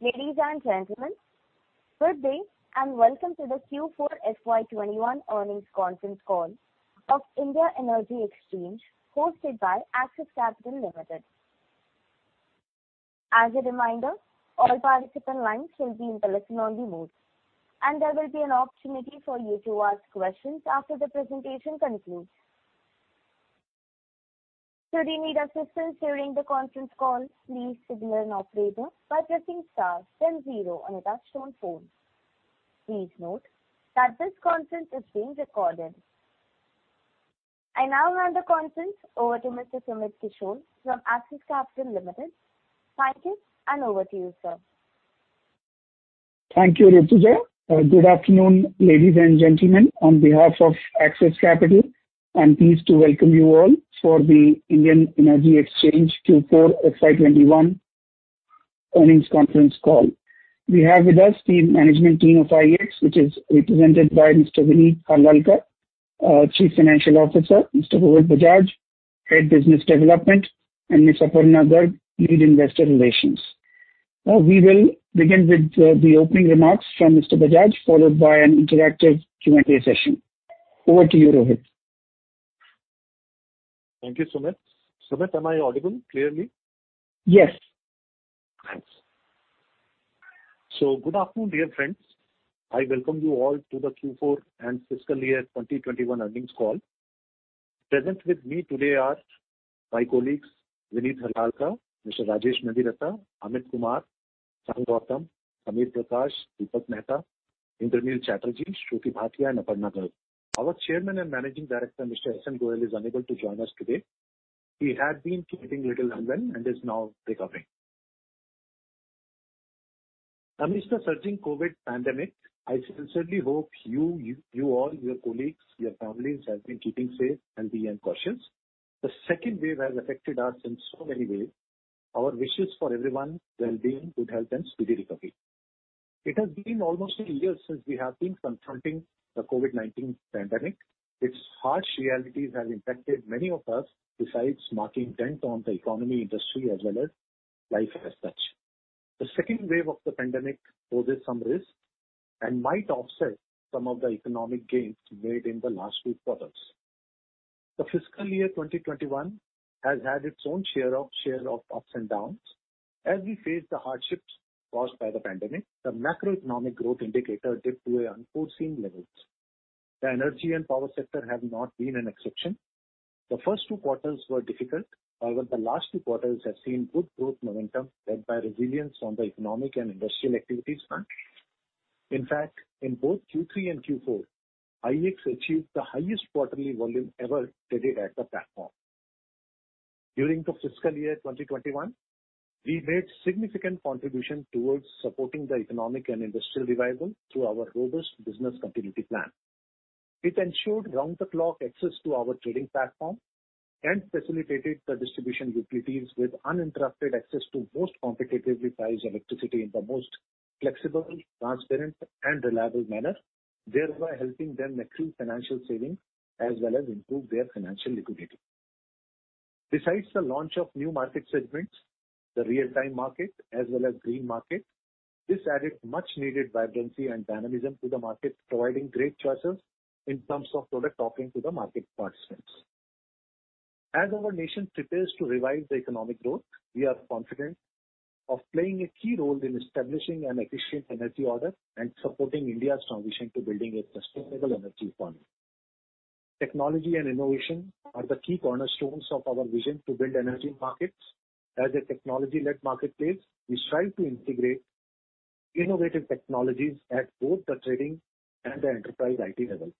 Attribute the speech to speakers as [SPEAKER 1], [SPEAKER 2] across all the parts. [SPEAKER 1] Ladies and gentlemen, good day, and welcome to the Q4 FY 2021 earnings conference call of Indian Energy Exchange hosted by Axis Capital Limited. I now hand the conference over to Mr. Sumit Kishore from Axis Capital Limited. Sumit, over to you, sir.
[SPEAKER 2] Thank you, Ritujaya. Good afternoon, ladies and gentlemen. On behalf of Axis Capital, I'm pleased to welcome you all for the Indian Energy Exchange Q4 FY 2021 earnings conference call. We have with us the management team of IEX, which is represented by Mr. Vineet Harlalka, our Chief Financial Officer, Mr. Rohit Bajaj, Head, Business Development, and Ms. Aparna Garg, Lead Investor Relations. We will begin with the opening remarks from Mr. Bajaj, followed by an interactive Q&A session. Over to you, Rohit.
[SPEAKER 3] Thank you, Sumit. Sumit, am I audible clearly?
[SPEAKER 2] Yes.
[SPEAKER 3] Thanks. Good afternoon, dear friends. I welcome you all to the Q4 and fiscal year 2021 earnings call. Present with me today are my colleagues, Vineet Harlalka, Rajesh Kumar Mediratta, Amit Kumar, Sangh Gautam, Amir Prakash, Deepak Mehta, Indranil Chatterjee, Shruti Bhatia, and Aparna Garg. Our Chairman and Managing Director, Satyanarayan Goel, is unable to join us today. He had been keeping little unwell and is now recovering. Amidst the surging COVID pandemic, I sincerely hope you all, your colleagues, your families, have been keeping safe, healthy, and cautious. The second wave has affected us in so many ways. Our wishes for everyone wellbeing, good health, and speedy recovery. It has been almost a year since we have been confronting the COVID-19 pandemic. Its harsh realities have impacted many of us, besides marking dent on the economy, industry, as well as life as such. The second wave of the pandemic poses some risk and might offset some of the economic gains made in the last few quarters. The fiscal year 2021 has had its own share of ups and downs. As we face the hardships caused by the pandemic, the macroeconomic growth indicator dipped to unforeseen levels. The energy and power sector have not been an exception. The first two quarters were difficult. However, the last two quarters have seen good growth momentum led by resilience from the economic and industrial activities front. In fact, in both Q3 and Q4, IEX achieved the highest quarterly volume ever traded at the platform. During the fiscal year 2021, we made significant contribution towards supporting the economic and industrial revival through our robust business continuity plan. It ensured round-the-clock access to our trading platform and facilitated the distribution utilities with uninterrupted access to most competitively priced electricity in the most flexible, transparent, and reliable manner, thereby helping them accrue financial savings as well as improve their financial liquidity. Besides the launch of new market segments, the Real-Time Market, as well as Green Market, this added much-needed vibrancy and dynamism to the market, providing great choices in terms of product offering to the market participants. As our nation prepares to revive the economic growth, we are confident of playing a key role in establishing an efficient energy order and supporting India's transition to building a sustainable energy economy. Technology and innovation are the key cornerstones of our vision to build energy markets. As a technology-led marketplace, we strive to integrate innovative technologies at both the trading and the enterprise IT levels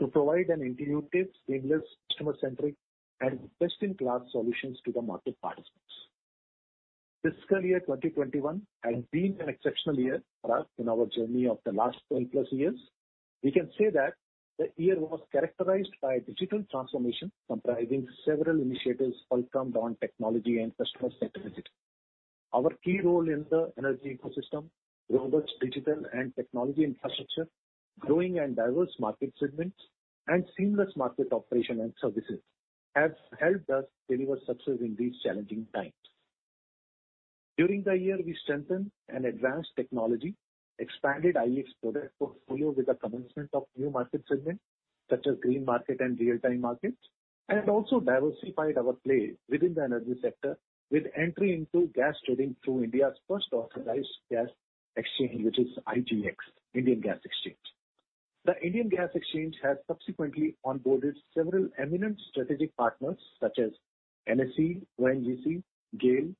[SPEAKER 3] to provide an intuitive, seamless, customer-centric, and best-in-class solutions to the market participants. Fiscal year 2021 has been an exceptional year for us in our journey of the last 12+ years. We can say that the year was characterized by digital transformation, comprising several initiatives all termed on technology and customer centricity. Our key role in the energy ecosystem, robust digital and technology infrastructure, growing and diverse market segments, and seamless market operation and services have helped us deliver success in these challenging times. During the year, we strengthened an advanced technology, expanded IEX product portfolio with the commencement of new market segments, such as Green Market and Real-Time Markets, and also diversified our play within the energy sector with entry into gas trading through India's first authorized gas exchange, which is IGX, Indian Gas Exchange. The Indian Gas Exchange has subsequently onboarded several eminent strategic partners such as NSE, ONGC, GAIL,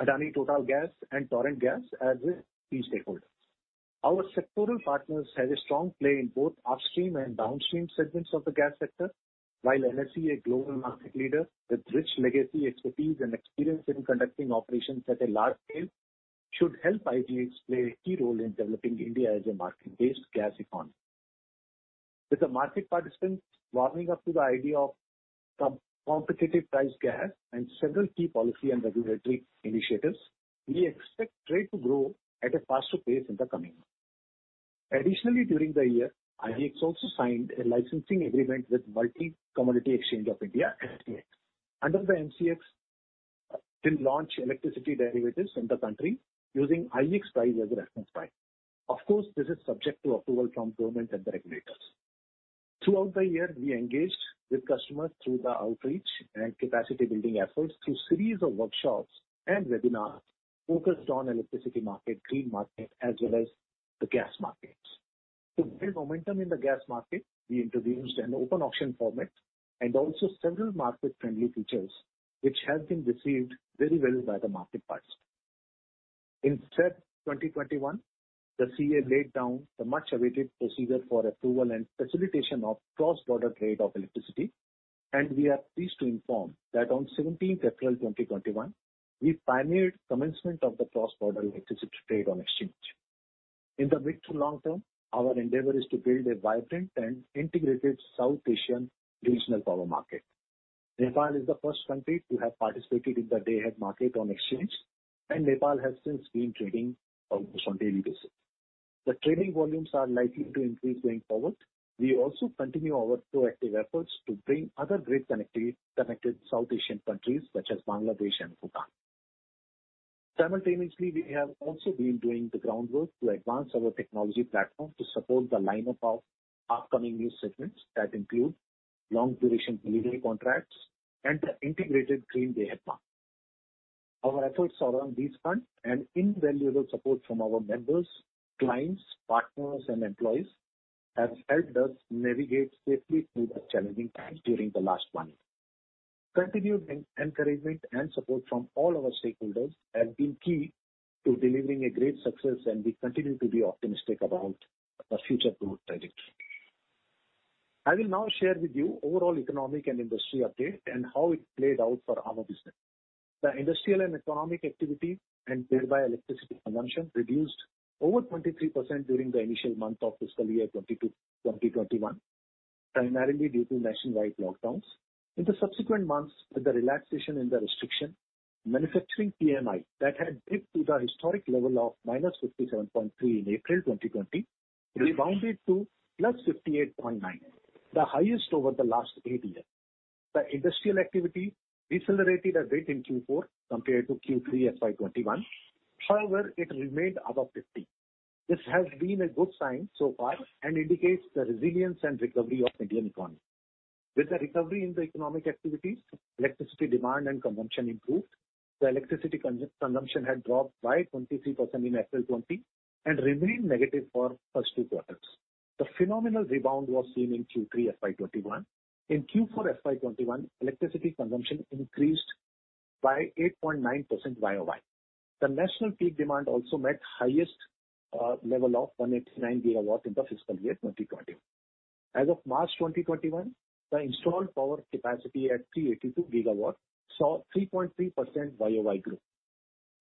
[SPEAKER 3] Adani Total Gas, and Torrent Gas as key stakeholders. Our sectoral partners have a strong play in both upstream and downstream segments of the gas sector, while NSE, a global market leader with rich legacy expertise and experience in conducting operations at a large scale, should help IGX play a key role in developing India as a market-based gas economy. With the market participants warming up to the idea of competitive priced gas and several key policy and regulatory initiatives, we expect trade to grow at a faster pace in the coming months. Additionally, during the year, IEX also signed a licensing agreement with Multi Commodity Exchange of India, MCX. Under the MCX, they launch electricity derivatives in the country using IEX price as a reference price. Of course, this is subject to approval from government and the regulators. Throughout the year, we engaged with customers through the outreach and capacity building efforts through series of workshops and webinars focused on electricity market, Green Market, as well as the gas markets. To build momentum in the gas market, we introduced an open auction format and also several market-friendly features, which have been received very well by the market parties. In February 2021, the CEA laid down the much-awaited procedure for approval and facilitation of cross-border electricity trade, and we are pleased to inform that on 17th April 2021, we pioneered commencement of the cross-border electricity trade on exchange. In the mid to long term, our endeavor is to build a vibrant and integrated South Asian regional power market. Nepal is the first country to have participated in the Day-Ahead Market on exchange, and Nepal has since been trading on a daily basis. The trading volumes are likely to increase going forward. We also continue our proactive efforts to bring other grid-connected South Asian countries such as Bangladesh and Bhutan. Simultaneously, we have also been doing the groundwork to advance our technology platform to support the lineup of upcoming new segments that include longer duration delivery contracts and the integrated green Day-Ahead Market. Our efforts around this front and invaluable support from our members, clients, partners, and employees have helped us navigate safely through the challenging times during the last one year. Continued encouragement and support from all our stakeholders have been key to delivering a great success, and we continue to be optimistic about our future growth trajectory. I will now share with you overall economic and industry update and how it played out for our business. The industrial and economic activity and thereby electricity consumption reduced over 23% during the initial month of fiscal year 2021, primarily due to nationwide lockdowns. In the subsequent months, with the relaxation in the restriction, manufacturing PMI that had dipped to the historic level of -57.3 in April 2020 rebounded to +58.9, the highest over the last eight years. The industrial activity decelerated a bit in Q4 compared to Q3 FY 2021. It remained above 50. This has been a good sign so far and indicates the resilience and recovery of Indian economy. With the recovery in the economic activities, electricity demand and consumption improved. The electricity consumption had dropped by 23% in April 2020 and remained negative for first two quarters. The phenomenal rebound was seen in Q3 FY 2021. In Q4 FY 2021, electricity consumption increased by 8.9% YoY. The national peak demand also met highest level of 189 GW in the fiscal year 2020. As of March 2021, the installed power capacity at 382 GW saw 3.3% YoY growth.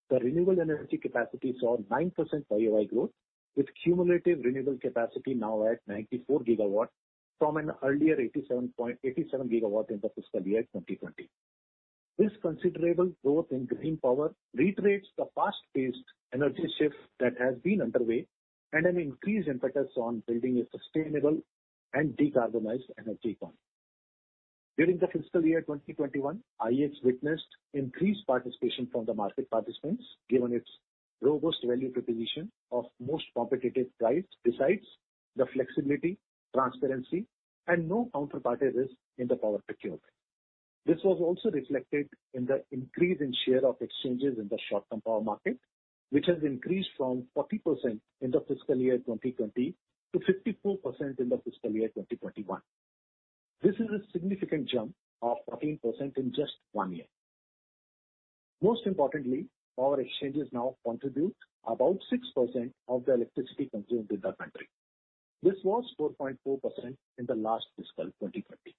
[SPEAKER 3] The renewable energy capacity saw 9% YoY growth, with cumulative renewable capacity now at 94 GW from an earlier 87 GW in the fiscal year 2020. This considerable growth in green power reiterates the fast-paced energy shift that has been underway and an increased emphasis on building a sustainable and decarbonized energy economy. During the fiscal year 2021, IEX witnessed increased participation from the market participants, given its robust value proposition of most competitive price, besides the flexibility, transparency, and no counterparty risk in the power procured. This was also reflected in the increase in share of exchanges in the short-term power market, which has increased from 40% in the fiscal year 2020 to 54% in the fiscal year 2021. This is a significant jump of 14% in just one year. Most importantly, power exchanges now contribute about 6% of the electricity consumed in the country. This was 4.4% in the last fiscal, 2020.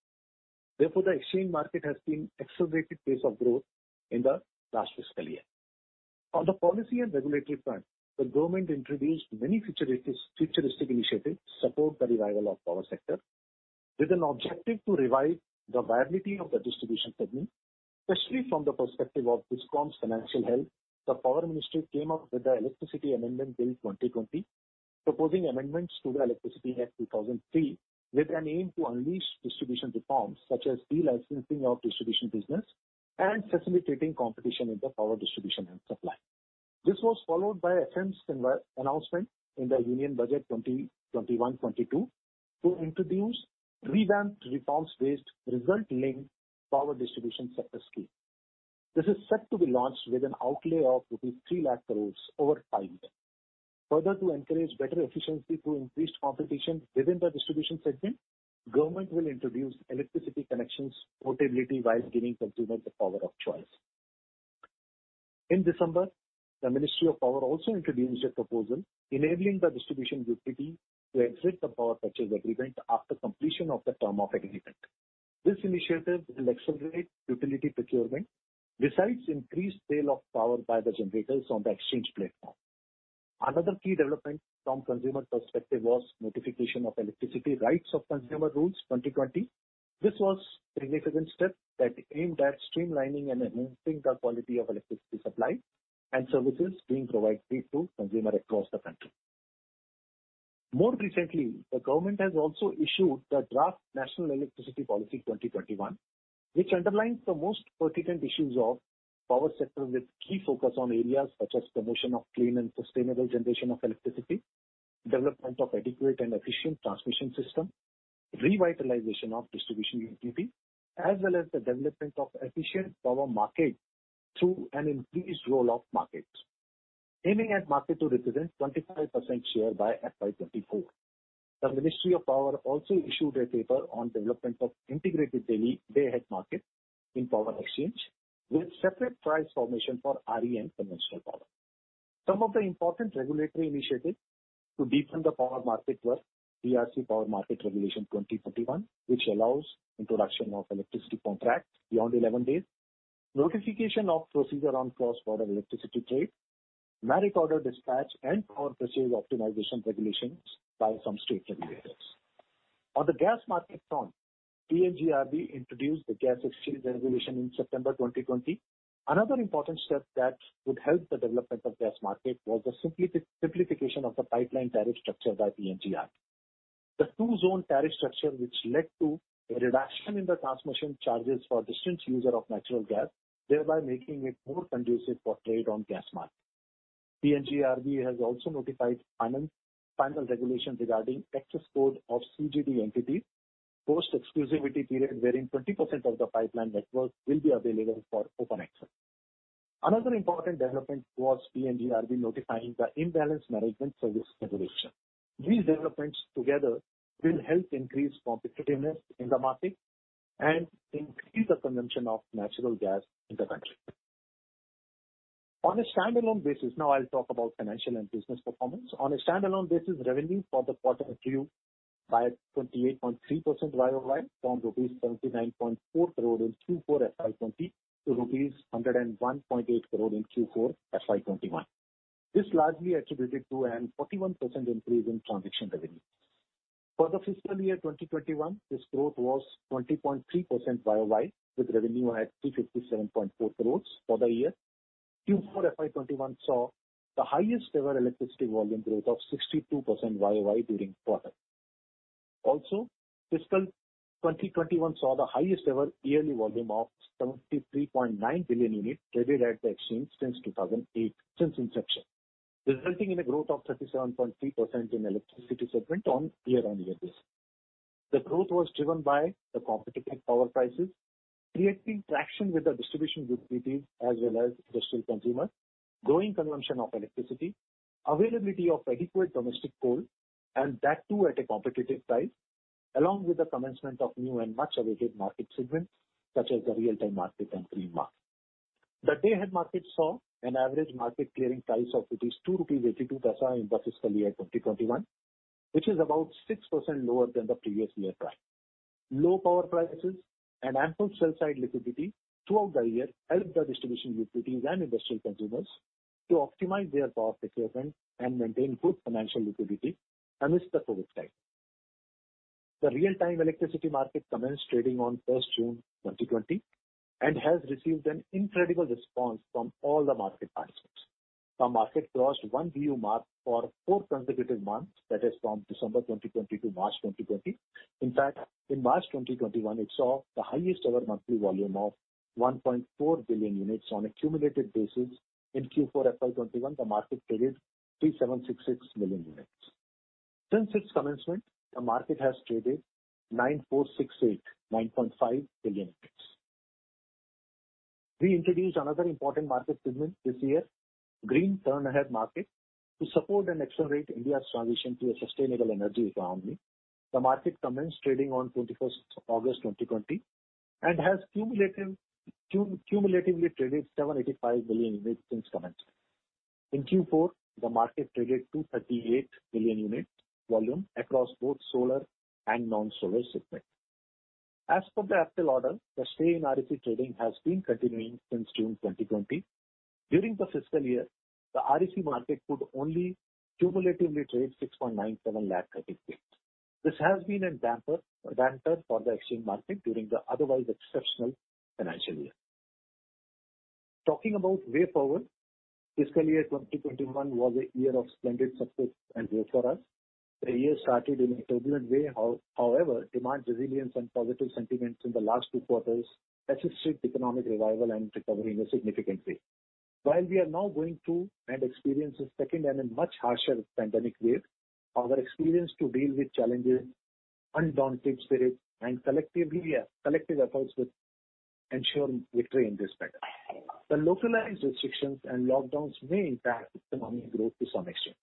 [SPEAKER 3] Therefore, the exchange market has seen accelerated pace of growth in the last fiscal year. On the policy and regulatory front, the government introduced many futuristic initiatives to support the revival of power sector. With an objective to revive the viability of the distribution segment, especially from the perspective of DISCOM's financial health, the Power Ministry came up with the Electricity (Amendment) Bill, 2020, proposing amendments to the Electricity Act, 2003 with an aim to unleash distribution reforms such as de-licensing of distribution business and facilitating competition in the power distribution and supply. This was followed by FM's announcement in the Union Budget 2021-22 to introduce revamped performance-based result link power distribution sector scheme. This is set to be launched with an outlay of 300,000 crore over five year. Further, to encourage better efficiency through increased competition within the distribution segment, government will introduce electricity connections portability while giving consumers the power of choice. In December, the Ministry of Power also introduced a proposal enabling the distribution utility to exit the power purchase agreement after completion of the term of agreement. This initiative will accelerate utility procurement, besides increased sale of power by the generators on the exchange platform. Another key development from consumer perspective was notification of Electricity (Rights of Consumers) Rules, 2020. This was a significant step that aimed at streamlining and enhancing the quality of electricity supply and services being provided to consumers across the country. More recently, the government has also issued the Draft National Electricity Policy, 2021, which underlines the most pertinent issues of power sector with key focus on areas such as promotion of clean and sustainable generation of electricity, development of adequate and efficient transmission system, revitalization of distribution utilities, as well as the development of efficient power market through an increased role of markets. Aiming at market to represent 25% share by FY 2024. The Ministry of Power also issued a paper on development of integrated daily Day-Ahead Market in power exchange, with separate price formation for renewable energy and conventional power. Some of the important regulatory initiatives to deepen the power market were CERC Power Market Regulation 2021, which allows introduction of electricity contracts beyond 11 days, notification of procedure on cross-border electricity trade, merit order dispatch and power purchase optimization regulations by some state regulators. On the gas market front, PNGRB introduced the Gas Exchange Regulations, 2020 in September 2020. Another important step that would help the development of gas market was the simplification of the pipeline tariff structure by PNGRB. The two-zone tariff structure, which led to a reduction in the transmission charges for distant user of natural gas, thereby making it more conducive for trade on gas market. PNGRB has also notified final regulations regarding access code of CGD entities, post exclusivity period wherein 20% of the pipeline network will be available for open access. Another important development was PNGRB notifying the Imbalance Management Service Regulation. These developments together will help increase competitiveness in the market and increase the consumption of natural gas in the country. On a standalone basis, now I'll talk about financial and business performance. On a standalone basis, revenue for the quarter grew by 28.3% YoY from rupees 79.4 crore in Q4 FY 2020 to rupees 101.8 crore in Q4 FY 2021. This largely attributed to a 41% increase in transaction revenue. For the fiscal year 2021, this growth was 20.3% YoY, with revenue at 357.4 crores for the year. Q4 FY 2021 saw the highest ever electricity volume growth of 62% YoY during the quarter. Also, fiscal year 2021 saw the highest ever yearly volume of 73.9 billion units traded at the exchange since 2008, since inception, resulting in a growth of 37.3% in electricity segment on year-on-year basis. The growth was driven by the competitive power prices, creating traction with the distribution utilities as well as industrial consumers, growing consumption of electricity, availability of adequate domestic coal, and that too at a competitive price, along with the commencement of new and much-awaited market segments, such as the Real-Time Market and Green Market. The Day-Ahead Market saw an average market clearing price of 2.82 rupees in fiscal year 2021, which is about 6% lower than the previous year price. Low power prices and ample sell side liquidity throughout the year helped the distribution utilities and industrial consumers to optimize their power procurement and maintain good financial liquidity amidst the COVID time. The Real-Time Market commenced trading on 1st June 2020 and has received an incredible response from all the market participants. The market crossed 1 BU mark for four consecutive months, that is from December 2020 to March 2021. In fact, in March 2021, it saw the highest ever monthly volume of 1.4 billion units on a cumulative basis. In Q4 FY 2021, the market traded 3,766 million units. Since its commencement, the market has traded 9,468 or 9.5 billion units. We introduced another important market segment this year, Green Term-ahead Market, to support and accelerate India's transition to a sustainable energy economy. The market commenced trading on 21st August 2020 and has cumulatively traded 785 million units since commencement. In Q4, the market traded 238 million unit volume across both solar and non-solar segment. As per the APTEL order, the stay in REC trading has been continuing since June 2020. During the fiscal year, the REC market could only cumulatively trade 6.97 lakh credit claims. This has been a damper for the exchange market during the otherwise exceptional financial year. Talking about way forward, fiscal year 2021 was a year of splendid success and growth for us. The year started in a turbulent way. However, demand resilience and positive sentiments in the last two quarters assisted economic revival and recovery in a significant way. While we are now going through and experience a second and a much harsher pandemic wave, our experience to deal with challenges, undaunted spirit, and collective efforts will ensure victory in this battle. The localized restrictions and lockdowns may impact economic growth to some extent.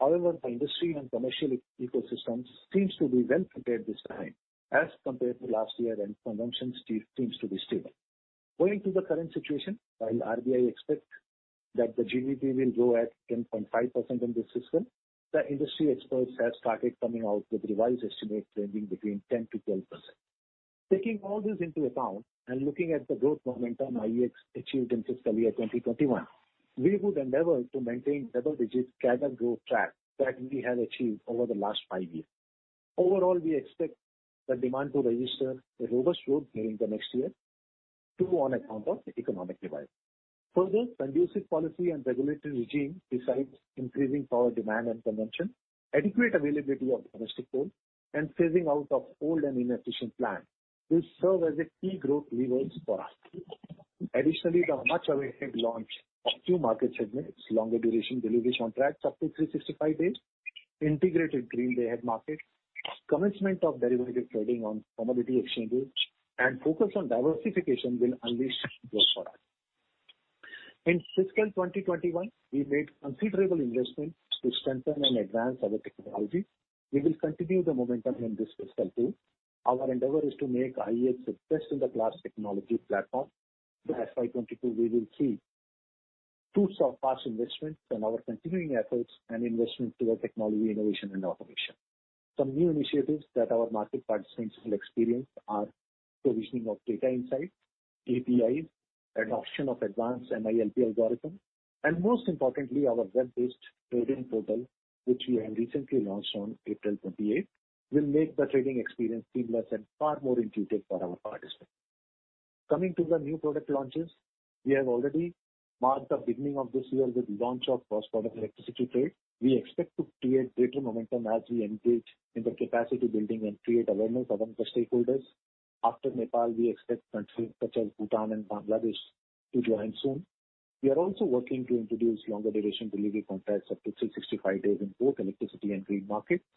[SPEAKER 3] However, the industry and commercial ecosystems seems to be well prepared this time as compared to last year, and consumption seems to be stable. Going to the current situation, while RBI expect that the GDP will grow at 10.5% in this system, the industry experts have started coming out with revised estimates ranging between 10%-12%. Taking all this into account and looking at the growth momentum IEX achieved in fiscal year 2021. We would endeavor to maintain double-digit category growth track that we have achieved over the last five years. Overall, we expect the demand to register a robust growth during the next year, two on account of economic revival. Further, conducive policy and regulatory regime besides increasing power demand and consumption, adequate availability of domestic coal, and phasing out of old and inefficient plants will serve as a key growth levers for us. The much-awaited launch of two market segments, longer duration delivery contracts up to 365 days, integrated Green Day-Ahead Market, commencement of derivative trading on commodity exchanges, and focus on diversification will unleash growth for us. In fiscal 2021, we made considerable investment to strengthen and advance our technology. We will continue the momentum in this fiscal too. Our endeavor is to make IEX the best-in-the-class technology platform. In FY 2022, we will see fruits of past investments and our continuing efforts and investment toward technology innovation and automation. Some new initiatives that our market participants will experience are provisioning of data insights, APIs, adoption of advanced MILP algorithm, and most importantly, our web-based trading portal, which we have recently launched on April 28th, will make the trading experience seamless and far more intuitive for our participants. Coming to the new product launches, we have already marked the beginning of this year with the launch of cross-border electricity trade. We expect to create greater momentum as we engage in the capacity building and create awareness among the stakeholders. After Nepal, we expect countries such as Bhutan and Bangladesh to join soon. We are also working to introduce longer duration delivery contracts up to 365 days in both electricity and green markets.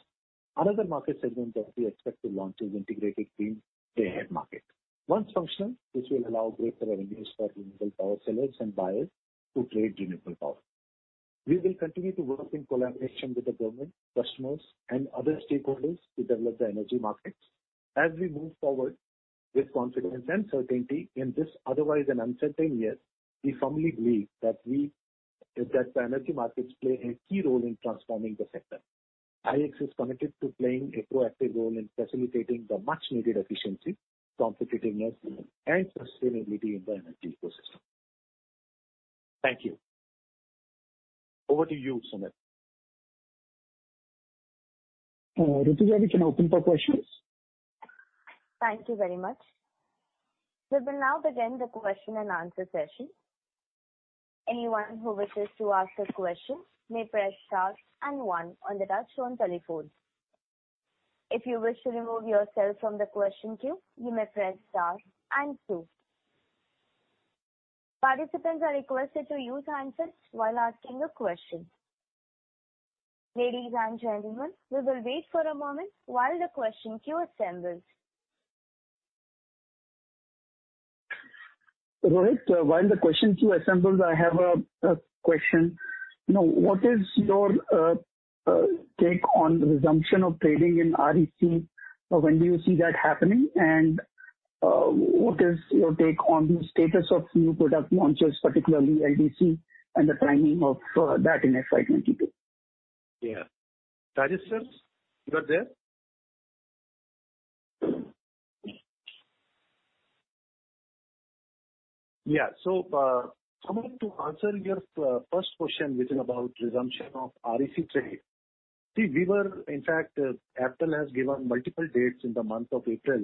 [SPEAKER 3] Another market segment that we expect to launch is integrated green day-ahead market. Once functional, this will allow greater avenues for renewable power sellers and buyers to trade renewable power. We will continue to work in collaboration with the government, customers, and other stakeholders to develop the energy markets. As we move forward with confidence and certainty in this otherwise uncertain year, we firmly believe that the energy markets play a key role in transforming the sector. IEX is committed to playing a proactive role in facilitating the much-needed efficiency, competitiveness, and sustainability in the energy ecosystem. Thank you. Over to you, Sumit.
[SPEAKER 2] Ritujaya, we can open for questions.
[SPEAKER 1] Thank you very much. We will now begin the question and answer session. Anyone who wishes to ask a question may press star and one on the touchtone telephone. If you wish to remove yourself from the question queue, you may press star and two. Participants are requested to use handsets while asking a question. Ladies and gentlemen, we will wait for a moment while the question queue assembles.
[SPEAKER 2] Rohit, while the question queue assembles, I have a question. What is your take on the resumption of trading in REC? When do you see that happening? What is your take on the status of new product launches, particularly LDC, and the timing of that in FY 2022?
[SPEAKER 3] Yeah. Rajesh sir, you are there? Yeah. Coming to answer your first question, which is about resumption of REC trade. In fact, APTEL has given multiple dates in the month of April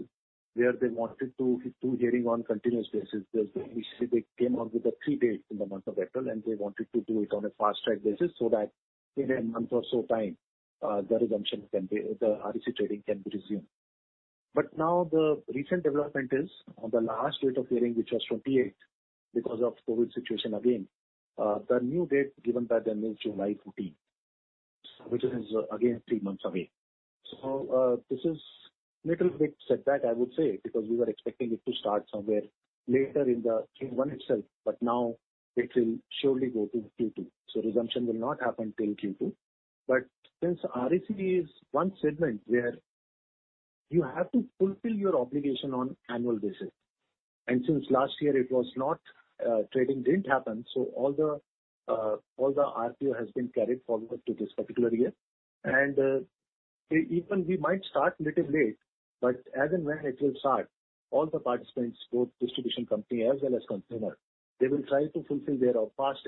[SPEAKER 3] where they wanted to do hearing on continuous basis because initially they came out with the three dates in the month of April, and they wanted to do it on a fast-track basis so that in a month or so time, the REC trading can be resumed. Now the recent development is on the last date of hearing, which was 28th because of the COVID situation again, the new date given by them is July 14th, which is again three months away. This is a little bit setback, I would say, because we were expecting it to start somewhere later in Q1 itself, but now it will surely go to Q2. Resumption will not happen till Q2. Since REC is one segment where you have to fulfill your obligation on annual basis, and since last year trading didn't happen, so all the RPO has been carried forward to this particular year. Even we might start little late, but as and when it will start, all the participants, both distribution company as well as consumer, they will try to fulfill their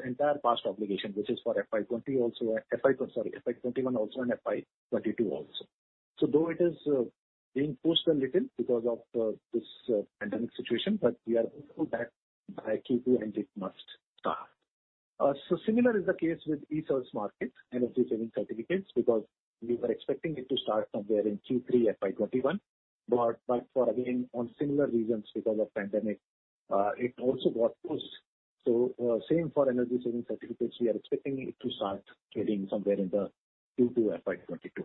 [SPEAKER 3] entire past obligation, which is for FY 2021 also and FY 2022 also. Though it is being pushed a little because of this pandemic situation, but we are hopeful that by Q2, it must start. Similar is the case with ESCerts market, energy saving certificates, because we were expecting it to start somewhere in Q3 FY 2021. Again, on similar reasons because of pandemic, it also got pushed. Same for energy saving certificates. We are expecting it to start trading somewhere in the Q2 FY 2022.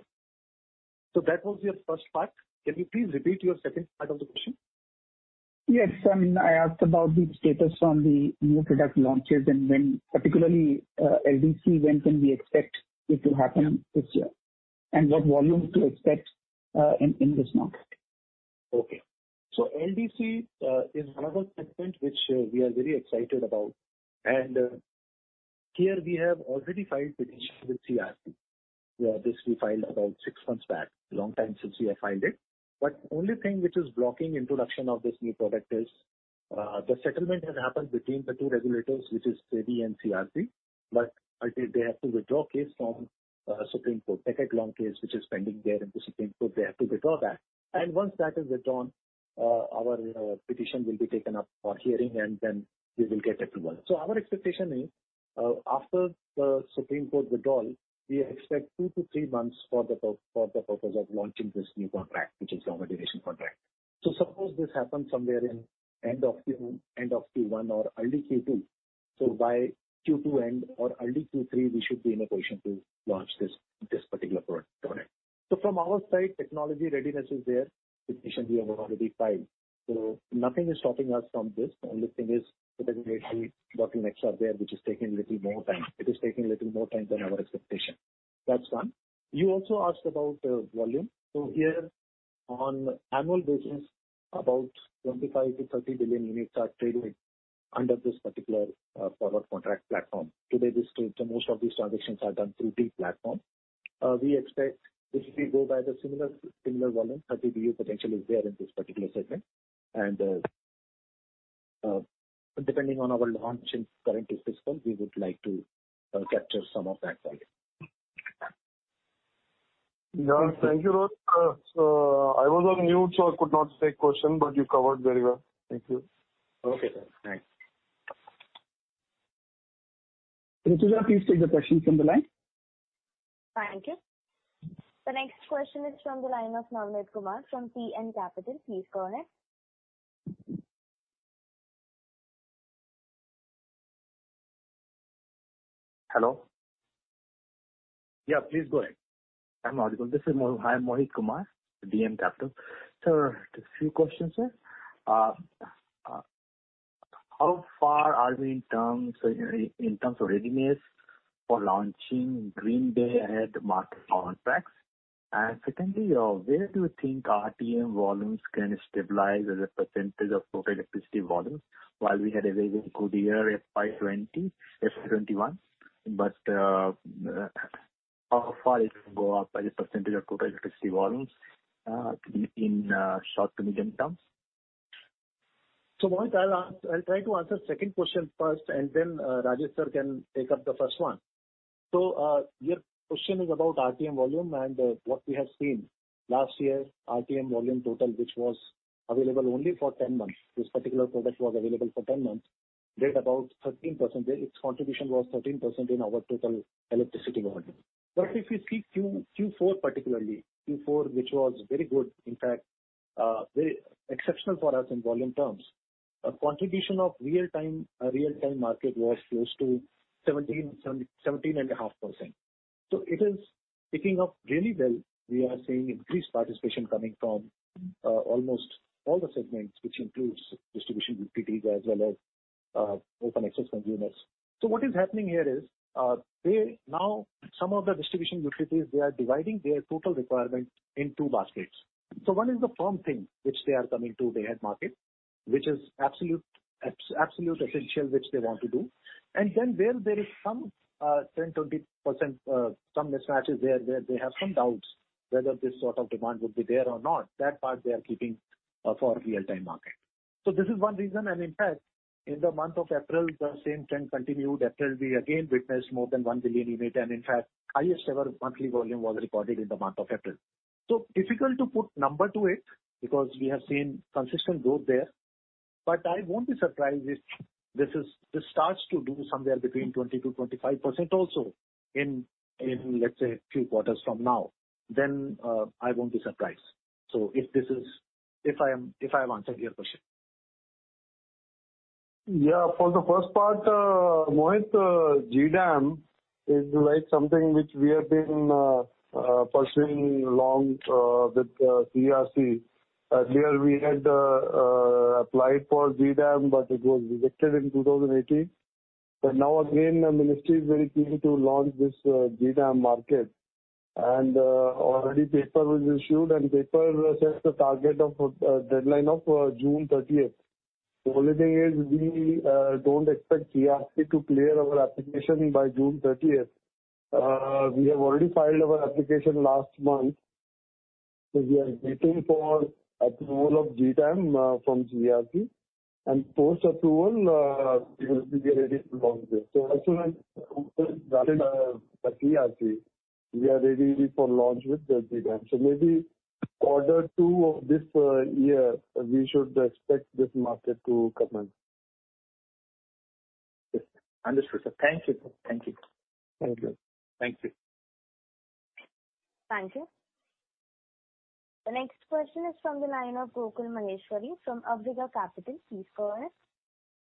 [SPEAKER 3] That was your first part. Can you please repeat your second part of the question?
[SPEAKER 2] Yes. I asked about the status on the new product launches and when, particularly LDC, when can we expect it to happen this year, and what volume to expect in this market?
[SPEAKER 3] LDC is another segment which we are very excited about, and here we have already filed petition with CERC. We obviously filed about 6 months back, a long time since we have filed it. The only thing which is blocking introduction of this new product is the settlement has happened between the two regulators, which is SEBI and CERC, but they have to withdraw case from Supreme Court, decade-long case, which is pending there in the Supreme Court, they have to withdraw that. Once that is withdrawn, our petition will be taken up for hearing, and then we will get approval. Our expectation is, after the Supreme Court withdrawal, we expect two to three months for the purpose of launching this new contract, which is power duration contract. Suppose this happens somewhere in end of Q1 or early Q2. By Q2 end or early Q3, we should be in a position to launch this particular product. From our side, technology readiness is there. Petition we have already filed. Nothing is stopping us from this. The only thing is the regulatory bottlenecks are there, which is taking a little more time. It is taking a little more time than our expectation. That's one. You also asked about volume. Here, on annual basis, about 25 to 30 billion units are trading under this particular power contract platform. Today, most of these transactions are done through this platform. We expect if we go by the similar volume, 30 BU potential is there in this particular segment. Depending on our launch in current fiscal, we would like to capture some of that value.
[SPEAKER 4] Yeah, thank you. I was on mute, so I could not ask question, but you covered very well. Thank you.
[SPEAKER 3] Okay. Thanks. Ritujaya, please take the questions from the line.
[SPEAKER 1] Thank you. The next question is from the line of Mohit Kumar from PN Capital. Please go ahead.
[SPEAKER 5] Hello.
[SPEAKER 3] Yeah, please go ahead.
[SPEAKER 5] I'm Mohit Kumar, PN Capital. Sir, just few questions, sir. How far are we in terms of readiness for launching Green Day-Ahead Market contracts? Secondly, where do you think RTM volumes can stabilize as a % of total electricity volume? While we had a very good year FY 2020, FY 2021. How far it will go up as a % of total electricity volumes to be in short to medium terms?
[SPEAKER 3] Mohit, I'll try to answer second question first, and then Rajesh sir can take up the first one. Last year, RTM volume total, which was available only for 10 months, this particular product was available for 10 months, did about 13%. Its contribution was 13% in our total electricity volume. If you see Q4 particularly, Q4 which was very good, in fact, very exceptional for us in volume terms. A contribution of Real-Time Market was close to 17.5%. It is picking up really well. We are seeing increased participation coming from almost all the segments, which includes distribution utilities as well as open access consumers. What is happening here is, now some of the distribution utilities, they are dividing their total requirement in two baskets. One is the firm thing, which they are coming to Day-Ahead Market, which is absolute essential, which they want to do. Then where there is some, 10%-20%, some mismatches there, they have some doubts whether this sort of demand would be there or not. That part they are keeping for Real-Time Market. This is one reason. In fact, in the month of April, the same trend continued. April, we again witnessed more than 1 billion unit, and in fact, highest ever monthly volume was recorded in the month of April. Difficult to put number to it because we have seen consistent growth there. I won't be surprised if this starts to do somewhere between 20%-25% also in, let's say, few quarters from now, then I won't be surprised. If I have answered your question.
[SPEAKER 4] For the first part, Mohit, GDAM is something which we have been pursuing along with CERC. Earlier we had applied for GDAM, it was rejected in 2018. Now again, the ministry is very keen to launch this GDAM market. Already paper was issued, and paper sets the target of deadline of June 30th. The only thing is we don't expect CERC to clear our application by June 30th. We have already filed our application last month. We are waiting for approval of GDAM from CERC, and post-approval, we will be ready to launch this. As soon as CERC, we are ready for launch with the GDAM. Maybe quarter two of this year, we should expect this market to come in.
[SPEAKER 5] Yes. Understood, sir. Thank you.
[SPEAKER 4] Very good. Thank you.
[SPEAKER 1] Thank you. The next question is from the line of Gokul Maheshwari from Awriga Capital. Please go ahead.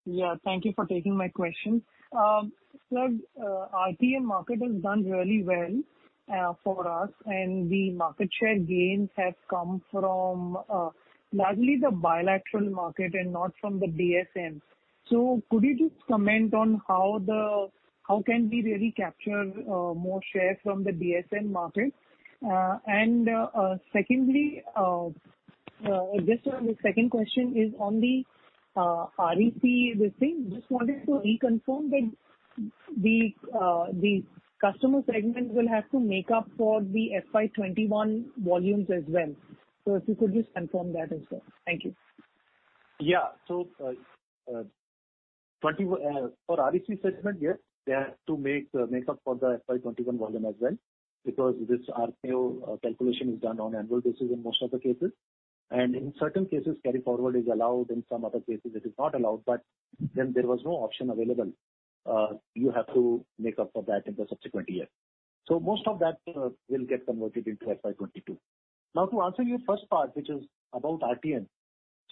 [SPEAKER 6] Yeah, thank you for taking my question. Sir, RTM market has done really well for us, and the market share gains have come from largely the bilateral market and not from the DSM. Could you just comment on how can we really capture more share from the DSM market? Just on the second question is on the REC, with things, just wanted to reconfirm that the customer segment will have to make up for the FY 2021 volumes as well. If you could just confirm that as well. Thank you.
[SPEAKER 3] Yeah. For REC segment, yes, they have to make up for the FY 2021 volume as well because this RPO calculation is done on annual basis in most of the cases. In certain cases, carry forward is allowed, in some other cases it is not allowed, there was no option available. You have to make up for that in the subsequent year. Most of that will get converted into FY 2022. To answer your first part, which is about RTM.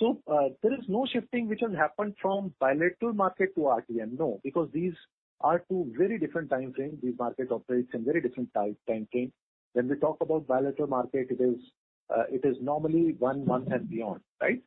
[SPEAKER 3] There is no shifting which has happened from bilateral market to RTM, no. These are two very different time frames. These market operates in very different time frame. When we talk about bilateral market, it is normally one month and beyond, right?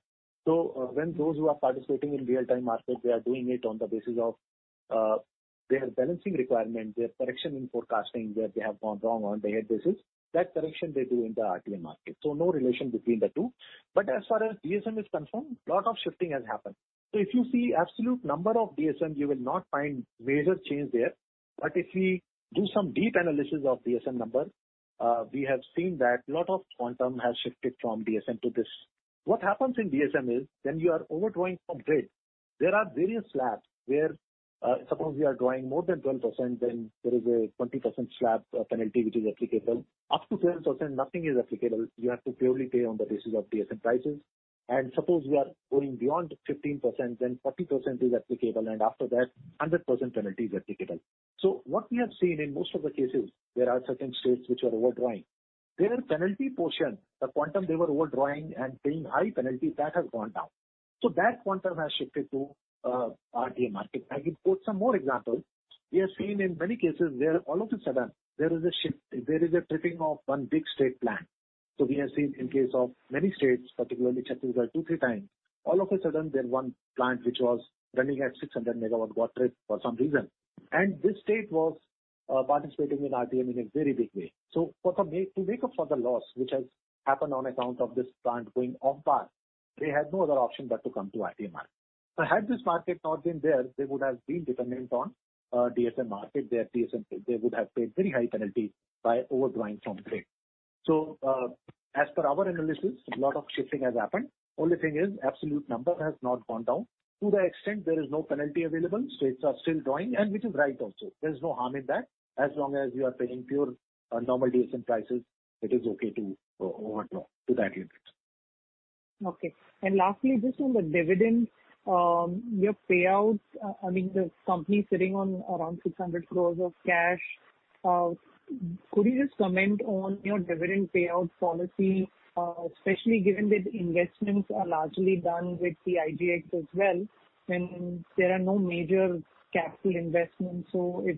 [SPEAKER 3] When those who are participating in Real-Time Market, they are doing it on the basis of their balancing requirement, their correction in forecasting, where they have gone wrong on day basis, that correction they do in the RTM market. No relation between the two. As far as DSM is concerned, lot of shifting has happened. If you see absolute number of DSM, you will not find major change there. If we do some deep analysis of DSM number, we have seen that lot of quantum has shifted from DSM to this. What happens in DSM is when you are overdrawing from grid, there are various slabs where, suppose we are drawing more than 12%, then there is a 20% slab penalty which is applicable. Up to 12%, nothing is applicable. You have to purely pay on the basis of DSM prices. Suppose we are going beyond 15%, then 40% is applicable, and after that, 100% penalty is applicable. What we have seen in most of the cases, there are certain states which are overdrawing. Their penalty portion, the quantum they were overdrawing and paying high penalty, that has gone down. That quantum has shifted to RTM market. I will quote some more examples. We have seen in many cases where all of a sudden there is a tripping of one big state plant. We have seen in case of many states, particularly Chhattisgarh two, three times, all of a sudden, their one plant which was running at 600 MW got tripped for some reason. This state was participating in RTM in a very big way. To make up for the loss which has happened on account of this plant going off power, they had no other option but to come to RTM market. Had this market not been there, they would have been dependent on DSM market. They would have paid very high penalty by overdrawing from grid. As per our analysis, lot of shifting has happened. Only thing is absolute number has not gone down. To the extent there is no penalty available, states are still drawing, and which is right also. There is no harm in that. As long as you are paying pure normal DSM prices, it is okay to overdraw to that limit.
[SPEAKER 6] Okay. Lastly, just on the dividend, your payouts, I mean, the company sitting on around 600 crores of cash. Could you just comment on your dividend payout policy, especially given that investments are largely done with the IGX as well, and there are no major capital investments.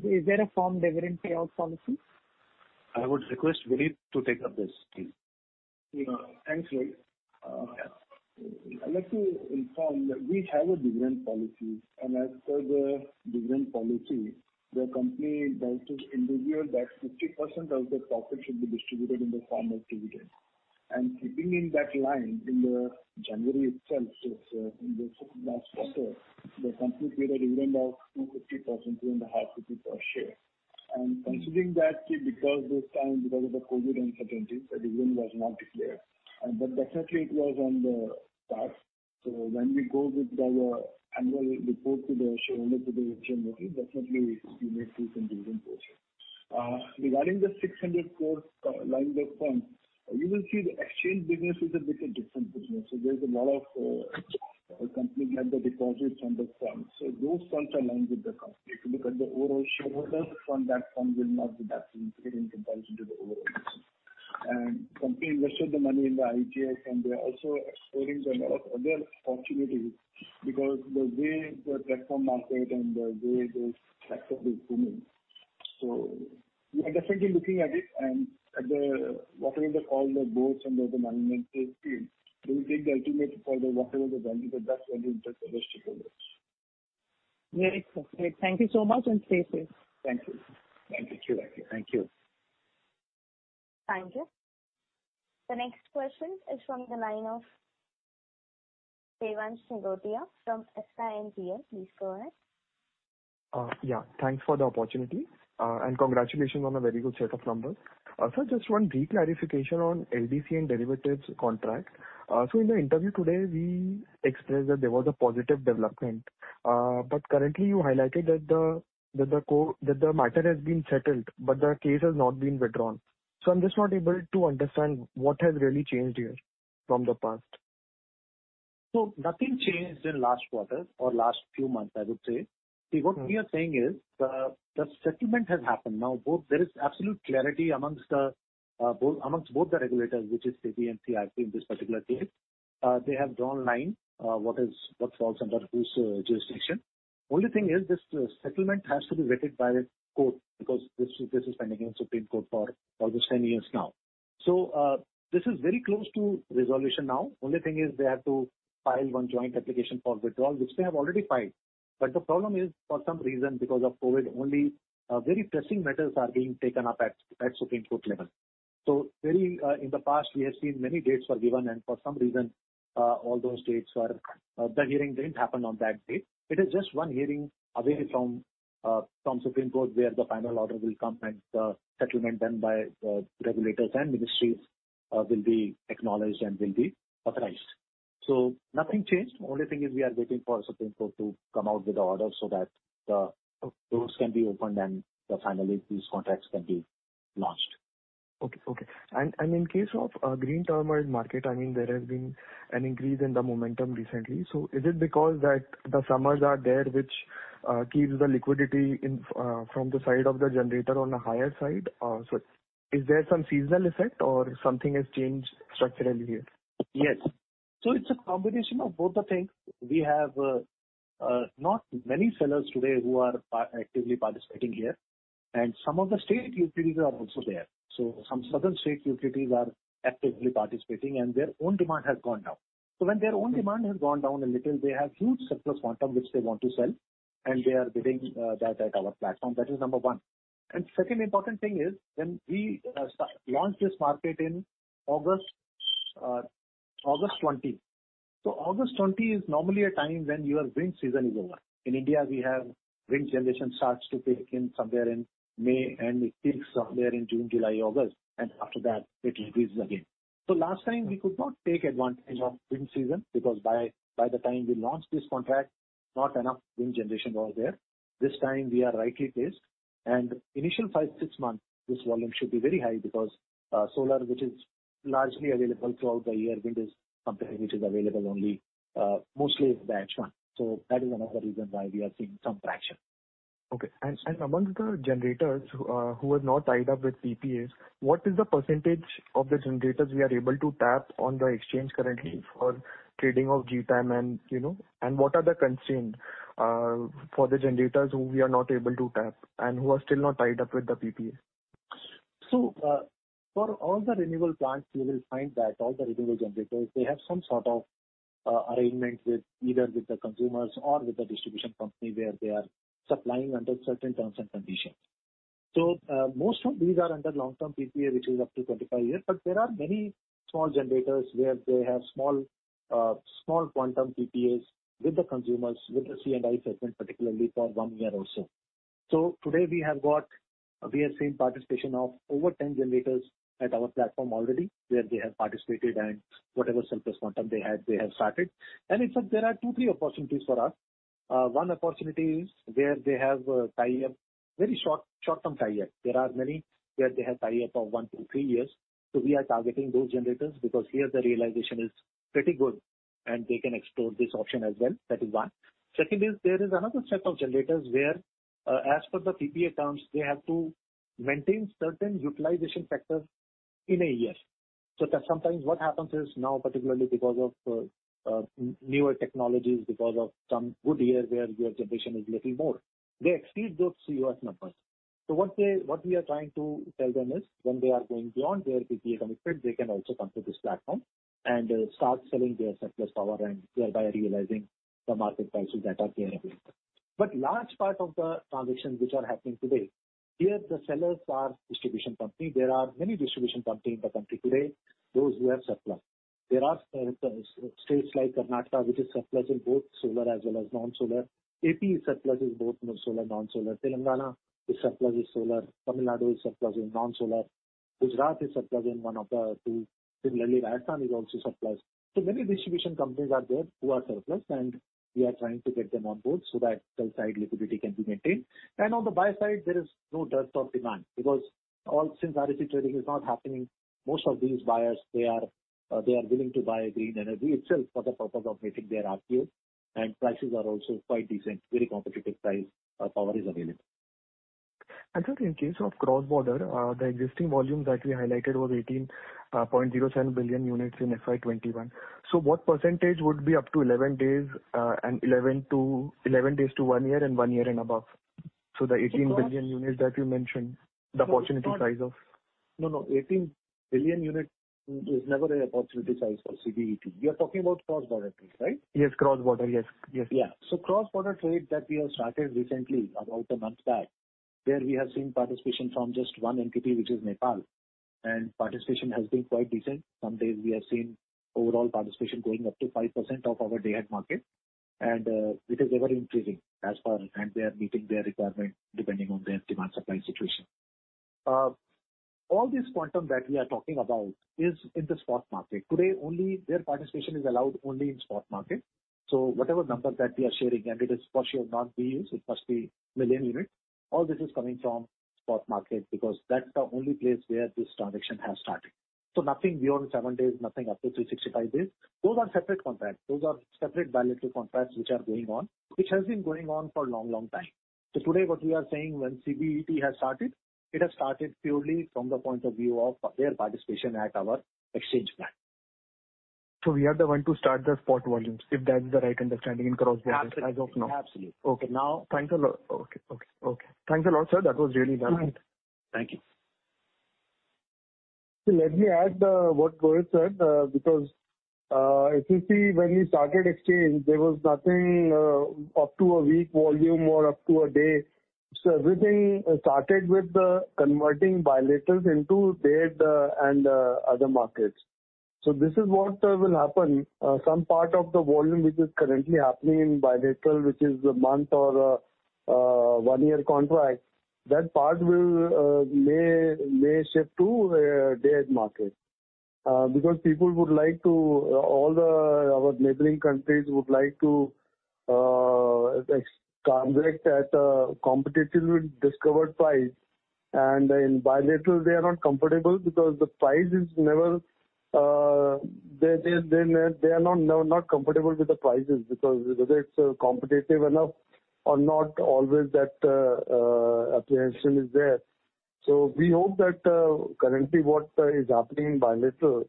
[SPEAKER 6] Is there a firm dividend payout policy?
[SPEAKER 3] I would request Vineet to take up this, please.
[SPEAKER 7] Thanks, Rohit. I'd like to inform that we have a dividend policy, as per the dividend policy, the company vows to ensure that 50% of the profit should be distributed in the form of dividend. Keeping in that line, in January itself, so it's in the last quarter, the company paid a dividend of 2.50 rupees Per share. Considering that because this time, because of the COVID uncertainties, the dividend was not declared. Definitely it was on the cards. When we go with our annual report to the shareholder, definitely we make use in dividend portion. Regarding the 600 crore lying with the company, you will see the exchange business is a bit a different business. There's a lot of company get the deposits on the firm. Those funds are lying with the company. If you look at the overall shareholder fund, that fund will not be that significant in comparison to the overall. Company invested the money in the IGX, and they're also exploring a lot of other opportunities because the way the platform market and the way those sector is booming. We are definitely looking at it and whatever they call the boards and all the management team will take the ultimate call, whatever they value, that's when we take the decision.
[SPEAKER 6] Great. Thank you so much, and stay safe.
[SPEAKER 7] Thank you.
[SPEAKER 3] Thank you.
[SPEAKER 7] Thank you.
[SPEAKER 1] Thank you. The next question is from the line of Devansh Nigotia from SIMPL. Please go ahead.
[SPEAKER 8] Yeah. Thanks for the opportunity, and congratulations on a very good set of numbers. Sir, just one reclarification on LDC and derivatives contract. In the interview today, we expressed that there was a positive development. Currently you highlighted that the matter has been settled, but the case has not been withdrawn. I'm just not able to understand what has really changed here from the past.
[SPEAKER 3] Nothing changed in last quarter or last few months, I would say. What we are saying is the settlement has happened. There is absolute clarity amongst both the regulators, which is SEBI and CERC in this particular case. They have drawn line, what falls under whose jurisdiction. Only thing is this settlement has to be vetted by the court because this is pending in Supreme Court for almost 10 years now. This is very close to resolution now. Only thing is they have to file one joint application for withdrawal, which they have already filed. The problem is, for some reason because of COVID, only very pressing matters are being taken up at Supreme Court level. In the past, we have seen many dates were given, and for some reason, the hearing didn't happen on that date. It is just one hearing away from Supreme Court, where the final order will come and the settlement done by the regulators and ministries will be acknowledged and will be authorized. Nothing changed. The only thing is we are waiting for Supreme Court to come out with the order so that those can be opened and finally, these contracts can be launched.
[SPEAKER 8] Okay. In case of Green Term-ahead Market, there has been an increase in the momentum recently. Is it because that the summers are there, which keeps the liquidity from the side of the generator on a higher side? Is there some seasonal effect or something has changed structurally here?
[SPEAKER 3] Yes. It's a combination of both the things. We have not many sellers today who are actively participating here, and some of the state utilities are also there. Some southern state utilities are actively participating, and their own demand has gone down. When their own demand has gone down a little, they have huge surplus quantum which they want to sell, and they are bidding that at our platform. That is number one. Second important thing is, when we launched this market in August 2020. August 2020 is normally a time when your wind season is over. In India, we have wind generation starts to pick in somewhere in May, and it peaks somewhere in June, July, August, and after that it decreases again. Last time, we could not take advantage of wind season because by the time we launched this contract, not enough wind generation was there. This time we are rightly placed, and initial five, six months, this volume should be very high because solar, which is largely available throughout the year, wind is something which is available only mostly in the H1. That is another reason why we are seeing some traction.
[SPEAKER 8] Okay. Amongst the generators who are not tied up with PPAs, what is the percentage of the generators we are able to tap on the exchange currently for trading of GTAM, and what are the constraints for the generators who we are not able to tap and who are still not tied up with the PPA?
[SPEAKER 3] For all the renewable plants, you will find that all the renewable generators, they have some sort of arrangement either with the consumers or with the distribution company, where they are supplying under certain terms and conditions. Most of these are under long-term PPA, which is up to 25 years. There are many small generators where they have small quantum PPAs with the consumers, with the C&I segment, particularly for one year also. Today we have seen participation of over 10 generators at our platform already, where they have participated and whatever surplus quantum they had, they have started. In fact, there are two, three opportunities for us. One opportunity is where they have tie-up, very short-term tie-up. There are many where they have tie-up of one to three years. We are targeting those generators because here the realization is pretty good, and they can explore this option as well. That is one. Second is, there is another set of generators where, as per the PPA terms, they have to maintain certain utilization factors in a year. Sometimes what happens is, now particularly because of newer technologies, because of some good year where your generation is little more, they exceed those CUF numbers. What we are trying to tell them is, when they are going beyond their PPA commitment, they can also come to this platform and start selling their surplus power and thereby realizing the market prices that are there available. Large part of the transactions which are happening today, here the sellers are distribution company. There are many distribution company in the country today, those who have surplus. There are states like Karnataka, which is surplus in both solar as well as non-solar. AP is surplus in both solar, non-solar. Telangana is surplus in solar. Tamil Nadu is surplus in non-solar. Gujarat is surplus in one of the two. Similarly, Rajasthan is also surplus. Many distribution companies are there who are surplus, and we are trying to get them on board so that sell side liquidity can be maintained. On the buy side, there is no dearth of demand because since REC trading is not happening, most of these buyers, they are willing to buy green energy itself for the purpose of making their RPO and prices are also quite decent, very competitive price of power is available.
[SPEAKER 8] Sir, in case of cross-border, the existing volume that we highlighted was 18.07 billion units in FY 2021. What percentage would be up to 11 days and 11 days to one year, and one year and above? The 18 billion units that you mentioned, the opportunity size of.
[SPEAKER 3] No, 18 billion units is never an opportunity size for CBET. We are talking about cross-border trade, right?
[SPEAKER 8] Yes, cross-border. Yes.
[SPEAKER 3] Cross-border trade that we have started recently, about a month back, there we have seen participation from just one entity, which is Nepal, and participation has been quite decent. Some days we have seen overall participation going up to 5% of our Day-Ahead Market. It is ever-increasing. They are meeting their requirement depending on their demand-supply situation. All this quantum that we are talking about is in the spot market. Today, their participation is allowed only in spot market. Whatever numbers that we are sharing, and it is for sure not BU, it must be million units. All this is coming from spot market because that's the only place where this transaction has started. Nothing beyond seven days, nothing up to 365 days. Those are separate contracts. Those are separate bilateral contracts which are going on, which has been going on for a long, long time. Today, what we are saying when CBET has started, it has started purely from the point of view of their participation at our exchange plan.
[SPEAKER 8] We are the one to start the spot volumes, if that is the right understanding in cross-border as of now.
[SPEAKER 3] Absolutely.
[SPEAKER 8] Okay. Thanks a lot, sir. That was really valuable.
[SPEAKER 3] Thank you.
[SPEAKER 4] Let me add what Rohit Bajaj said, because IEX, when we started exchange, there was nothing up to a week volume or up to a day. Everything started with converting bilaterals into Day-Ahead and other markets. This is what will happen. Some part of the volume which is currently happening in bilateral, which is a month or a 1-year contract, that part may shift to Day-Ahead Market. People, all our neighboring countries would like to transact at a competitively discovered price. In bilateral, they are not comfortable because They are not comfortable with the prices because whether it's competitive enough or not, always that apprehension is there. We hope that currently what is happening in bilateral,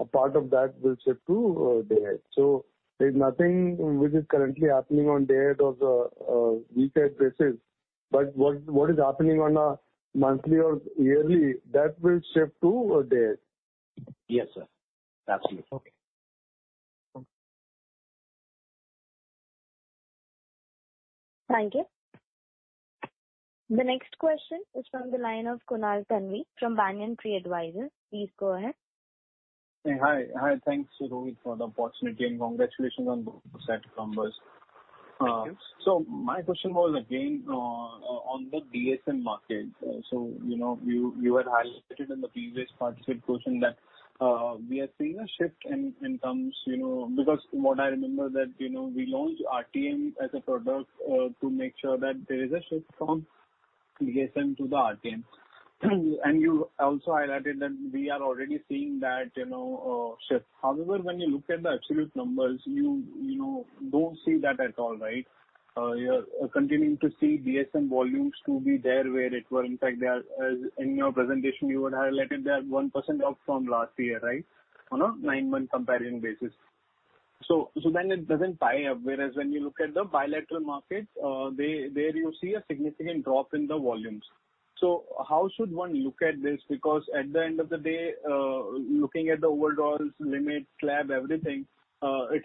[SPEAKER 4] a part of that will shift to Day-Ahead Market. There's nothing which is currently happening on Day-Ahead or week-ahead basis. What is happening on a monthly or yearly, that will shift to Day-Ahead.
[SPEAKER 3] Yes, sir. Absolutely.
[SPEAKER 4] Okay.
[SPEAKER 1] Thank you. The next question is from the line of Kunal Thanvi from Banyan Tree Advisors. Please go ahead.
[SPEAKER 9] Hi. Thanks, Rohit, for the opportunity, and congratulations on both the set of numbers.
[SPEAKER 3] Thank you.
[SPEAKER 9] My question was again on the DSM market. You had highlighted in the previous participant's question that we are seeing a shift in terms. What I remember that we launched RTM as a product to make sure that there is a shift from DSM to the RTM. You also highlighted that we are already seeing that shift. However, when you look at the absolute numbers, you don't see that at all, right? You're continuing to see DSM volumes to be there where it were. In fact, in your presentation, you had highlighted that 1% drop from last year, right? On a nine-month comparison basis. It doesn't tie up. Whereas when you look at the bilateral markets, there you see a significant drop in the volumes. How should one look at this? At the end of the day, looking at the overdrawals, limits, slab, everything, the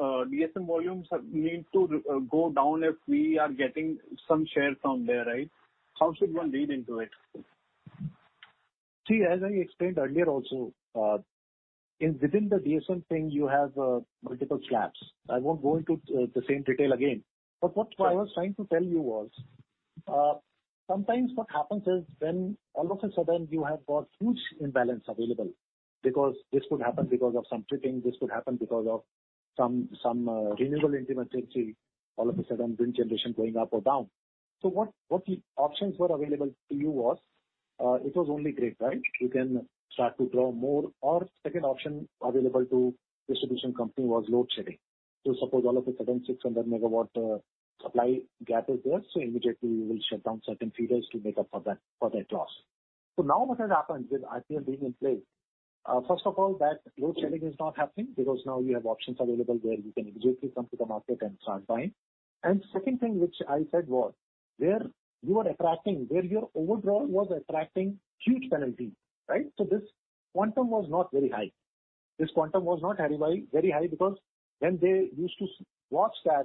[SPEAKER 9] DSM volumes need to go down if we are getting some share from there, right? How should one read into it?
[SPEAKER 3] See, as I explained earlier also, within the DSM thing you have multiple slabs. I won't go into the same detail again, but what I was trying to tell you was, sometimes what happens is when all of a sudden you have got huge imbalance available, because this could happen because of some tripping, this could happen because of some renewable intermittency, all of a sudden wind generation going up or down. What options were available to you was, it was only grid, right? You can start to draw more, or second option available to distribution company was load shedding. Suppose all of a sudden 600 MW supply gap is there, so immediately you will shut down certain feeders to make up for that loss. Now what has happened with RTM being in place, first of all, that load shedding is not happening because now you have options available where you can immediately come to the market and start buying. Second thing which I said was, where your overdrawal was attracting huge penalty. This quantum was not very high. This quantum was not very high because when they used to watch that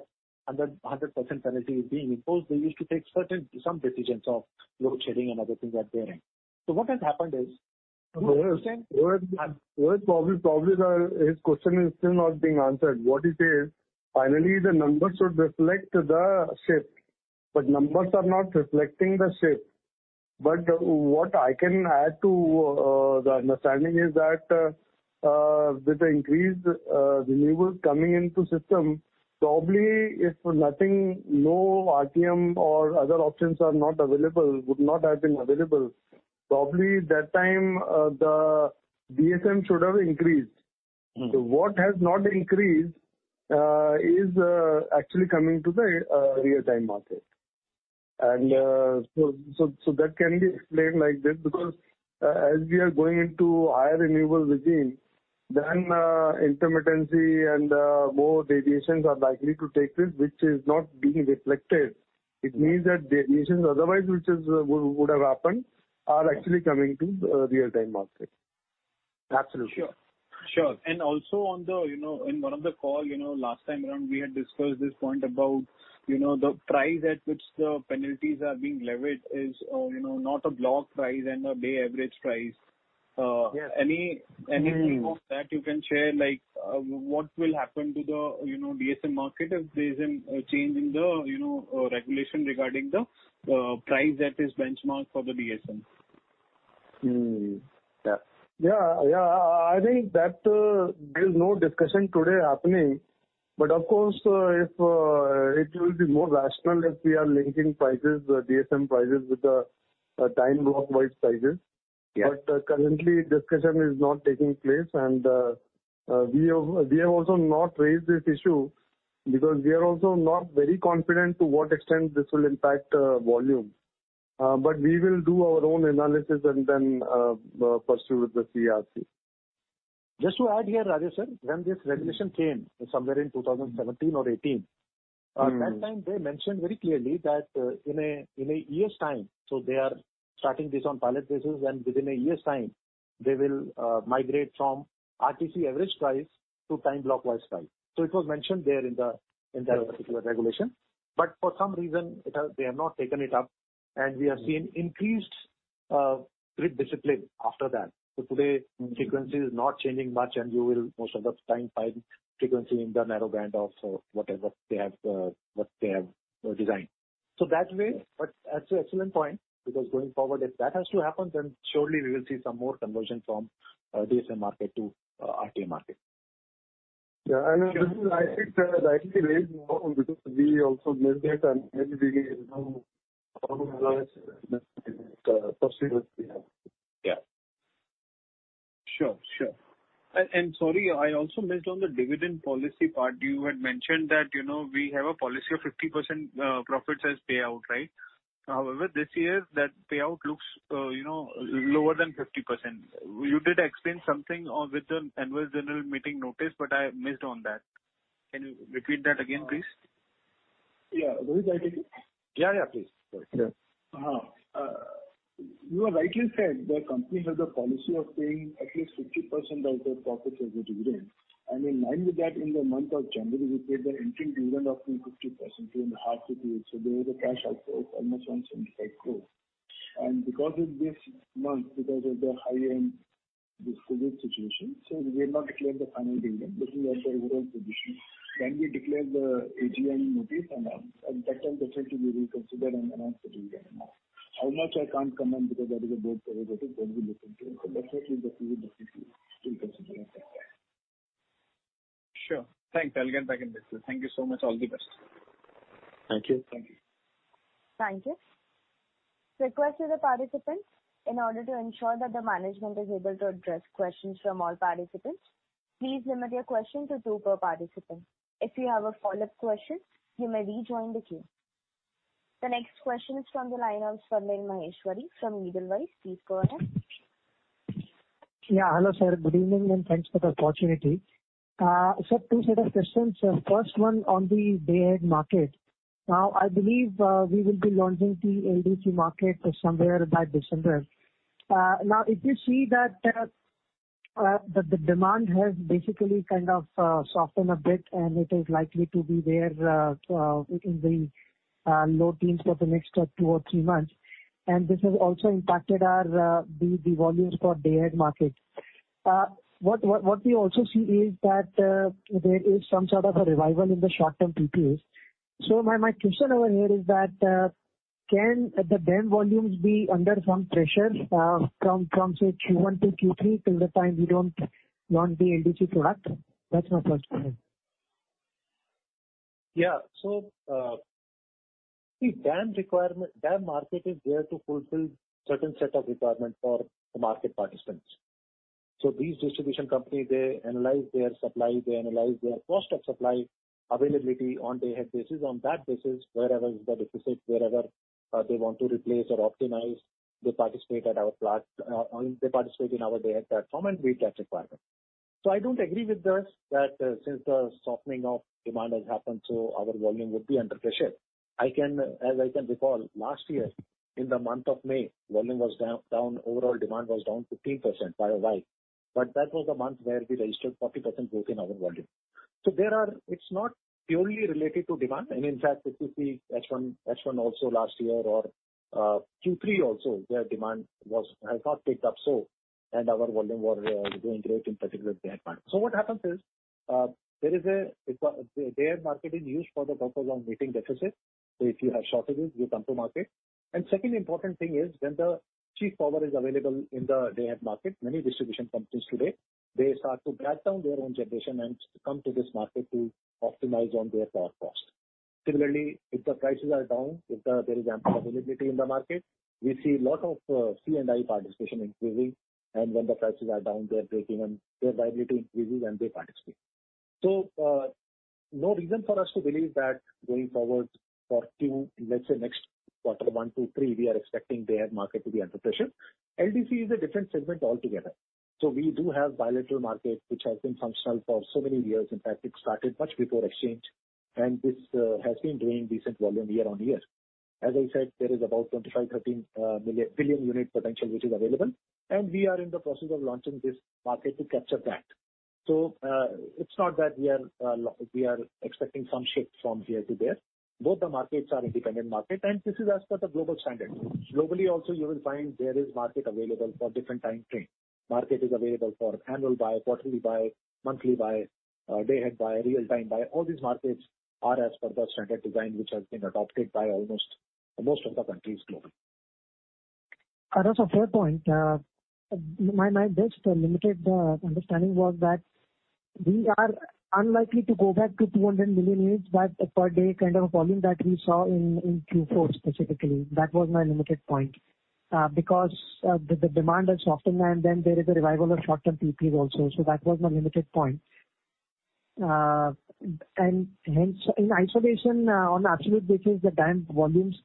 [SPEAKER 3] 100% penalty is being imposed, they used to take certain decisions of load shedding and other things at their end. What has happened is.
[SPEAKER 4] Rohit, probably his question is still not being answered. What he said, finally, the numbers should reflect the shift, but numbers are not reflecting the shift. What I can add to the understanding is that with the increased renewables coming into system, probably if nothing, no RTM or other options are not available, would not have been available, probably that time the DSM should have increased. What has not increased is actually coming to the Real-Time Market. That can be explained like this, because as we are going into higher renewable regime, then intermittency and more deviations are likely to take place which is not being reflected. It means that deviations otherwise which would have happened are actually coming to Real-Time Market.
[SPEAKER 3] Absolutely.
[SPEAKER 9] Sure. Sure. Also in one of the call, last time around, we had discussed this point about the price at which the penalties are being leveraged is not a block price and a day average price.
[SPEAKER 3] Yes.
[SPEAKER 9] Anything of that you can share, like what will happen to the DSM market if there is any change in the regulation regarding the price that is benchmarked for the DSM?
[SPEAKER 4] Yeah. I think that there is no discussion today happening, but of course, it will be more rational if we are linking prices, the DSM prices with the time block wide prices.
[SPEAKER 9] Yes.
[SPEAKER 4] Currently discussion is not taking place, and we have also not raised this issue because we are also not very confident to what extent this will impact volume. We will do our own analysis and then pursue with the CERC.
[SPEAKER 3] Just to add here, Rajesh sir, when this regulation came somewhere in 2017 or 2018. that time they mentioned very clearly that in a year's time, they are starting this on pilot basis, and within a year's time, they will migrate from RTC average price to time block wise price. It was mentioned there in that particular regulation. For some reason, they have not taken it up, and we have seen increased grid discipline after that. Today, frequency is not changing much, and you will most of the time find frequency in the narrow band of whatever they have designed. That way, that's an excellent point, because going forward, if that has to happen, surely we will see some more conversion from DSM market to RTM market.
[SPEAKER 4] Yeah. I think that is more because we also missed it and maybe we
[SPEAKER 3] Yeah. Sure. Sorry, I also missed on the dividend policy part. You had mentioned that we have a policy of 50% profits as payout. However, this year, that payout looks lower than 50%. You did explain something with the annual general meeting notice, I missed on that. Can you repeat that again, please?
[SPEAKER 4] Yeah. Rohit, I take it.
[SPEAKER 3] Yeah, please.
[SPEAKER 4] You rightly said the company has a policy of paying at least 50% of the profits as a dividend. In line with that, in the month of January, we paid the interim dividend of 50% during the, there was a cash outflow of almost 175 crore. Because of this month, because of the high end, this COVID situation, we have not declared the final dividend. This is as per usual tradition. We declare the AGM notice, that time they said to be reconsidered and announce the dividend amount. How much I can't comment because that is a board prerogative when we look into it, but that will be the due diligence we will consider at that time.
[SPEAKER 9] Sure. Thanks. I'll get back in this. Thank you so much. All the best.
[SPEAKER 4] Thank you.
[SPEAKER 3] Thank you.
[SPEAKER 1] Thank you. Request to the participants, in order to ensure that the management is able to address questions from all participants, please limit your question to two per participant. If you have a follow-up question, you may rejoin the queue. The next question is from the line of Swarnim Maheshwari from Edelweiss. Please go ahead.
[SPEAKER 10] Yeah. Hello, sir. Good evening, and thanks for the opportunity. Sir, two set of questions. First one on the Day-Ahead Market. Now, I believe we will be launching the LDC market somewhere by December. Now, if you see that the demand has basically kind of softened a bit, and it is likely to be there in the low teens for the next two or three months. This has also impacted the volumes for Day-Ahead Market. What we also see is that there is some sort of a revival in the short-term PPAs. My question over here is that, can the DAM volumes be under some pressure from, say, Q1 to Q3 till the time we don't launch the LDC product? That's my first question.
[SPEAKER 3] The DAM market is there to fulfill certain set of requirements for the market participants. These distribution companies, they analyze their supply, they analyze their cost of supply availability on Day-Ahead basis. On that basis, wherever is the deficit, wherever they want to replace or optimize, they participate in our Day-Ahead platform, and we catch requirement. I don't agree with this, that since the softening of demand has happened, so our volume would be under pressure. As I can recall, last year, in the month of May, volume was down, overall demand was down 15% YoY. That was the month where we registered 40% growth in our volume. It's not purely related to demand. In fact, if you see H1 also last year or Q3 also, where demand has not picked up so, and our volume were doing great in particular Day-Ahead Market. What happens is, Day-Ahead Market is used for the purpose of meeting deficit. If you have shortages, you come to market. Second important thing is when the cheap power is available in the Day-Ahead Market, many distribution companies today, they start to back down their own generation and come to this market to optimize on their power cost. Similarly, if the prices are down, if there is ample availability in the market, we see lot of C&I participation increasing. When the prices are down, they are breaking and their viability increases, and they participate. No reason for us to believe that going forward for, let's say, next quarter 1, 2, 3, we are expecting Day-Ahead Market to be under pressure. LDC is a different segment altogether. We do have bilateral market which has been functional for so many years. In fact, it started much before exchange, this has been doing decent volume year-on-year. As I said, there is about 2,513 billion unit potential which is available, we are in the process of launching this market to capture that. It's not that we are expecting some shift from here to there. Both the markets are independent market, this is as per the global standard. Globally also, you will find there is market available for different time frame. Market is available for annual buy, quarterly buy, monthly buy, Day-Ahead buy, Real-Time buy. All these markets are as per the standard design, which has been adopted by most of the countries globally.
[SPEAKER 10] Also third point. My best limited understanding was that we are unlikely to go back to 200 million units per day kind of volume that we saw in Q4 specifically. That was my limited point. The demand has softened and then there is a revival of short-term PPAs also. That was my limited point. Hence, in isolation, on absolute basis, the DAM volumes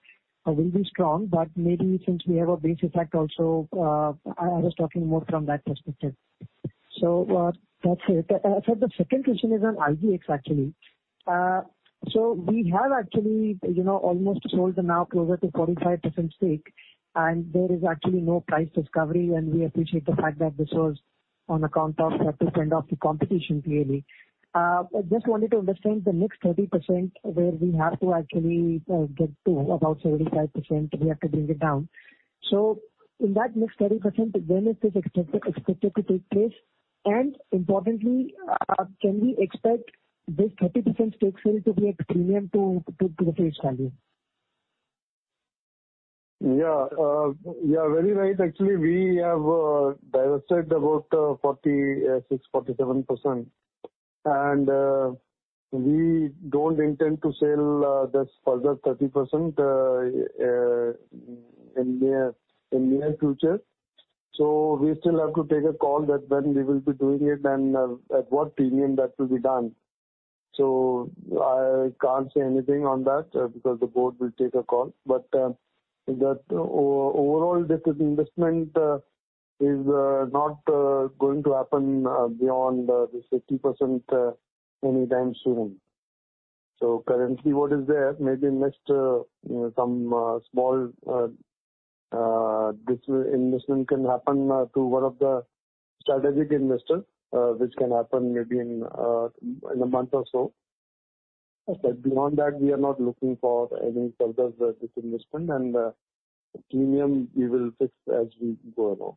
[SPEAKER 10] will be strong, but maybe since we have a base effect also, I was talking more from that perspective. That's it. Sir, the second question is on IGX, actually. We have actually almost sold now closer to 45% stake, and there is actually no price discovery, and we appreciate the fact that this was on account of the different of the competition clearly. Just wanted to understand the next 30% where we have to actually get to about 75%, we have to bring it down. In that next 30%, when is this expected to take place? Importantly, can we expect this 30% stake sale to be at premium to the face value?
[SPEAKER 4] You are very right. Actually, we have divested about 46%-47%, we don't intend to sell this further 30% in near future. We still have to take a call that when we will be doing it and at what premium that will be done. I can't say anything on that because the board will take a call. Overall, this investment is not going to happen beyond this 50% anytime soon. Currently, what is there, maybe next, some small investment can happen to one of the strategic investors, which can happen maybe in a month or so.
[SPEAKER 10] Okay.
[SPEAKER 4] Beyond that, we are not looking for any further disinvestment, and premium we will fix as we go along.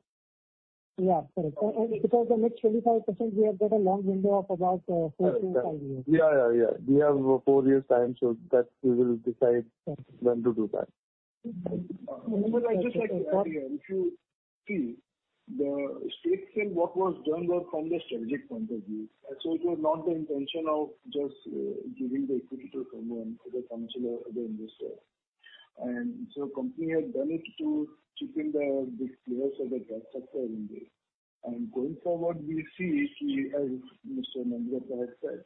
[SPEAKER 10] Yeah, correct. The next 25%, we have got a long window of about four to five years.
[SPEAKER 4] Yeah. We have four years' time, so that we will decide when to do that.
[SPEAKER 3] I'd just like to add here, if you see, the stake sale, what was done was from the strategic point of view. It was not the intention of just giving the equity to someone, to the financial investor. Company had done it to chicken the players or the structure in this. Going forward, we see, as Mr. Nandkumar has said,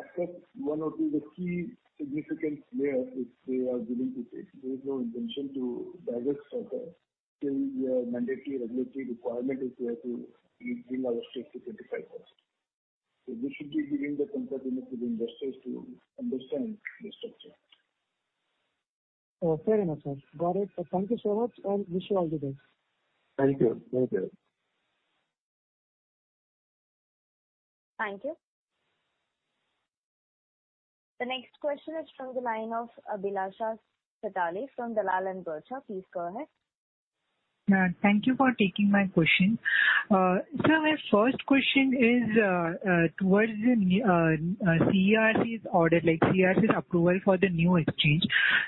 [SPEAKER 3] except one or two, the key significant players which they are willing to take, there is no intention to divest further till the mandatory regulatory requirement is there to bring our stake to 25%. This should be giving the comfort enough to the investors to understand the structure.
[SPEAKER 10] Fair enough, sir. Got it. Thank you so much. Wish you all the best.
[SPEAKER 4] Thank you.
[SPEAKER 3] Thank you.
[SPEAKER 1] The next question is from the line of Bilasha Chitali from Dalal & Broacha. Please go ahead.
[SPEAKER 11] Thank you for taking my question. Sir, my first question is towards the CERC's order, like CERC's approval for the new exchange.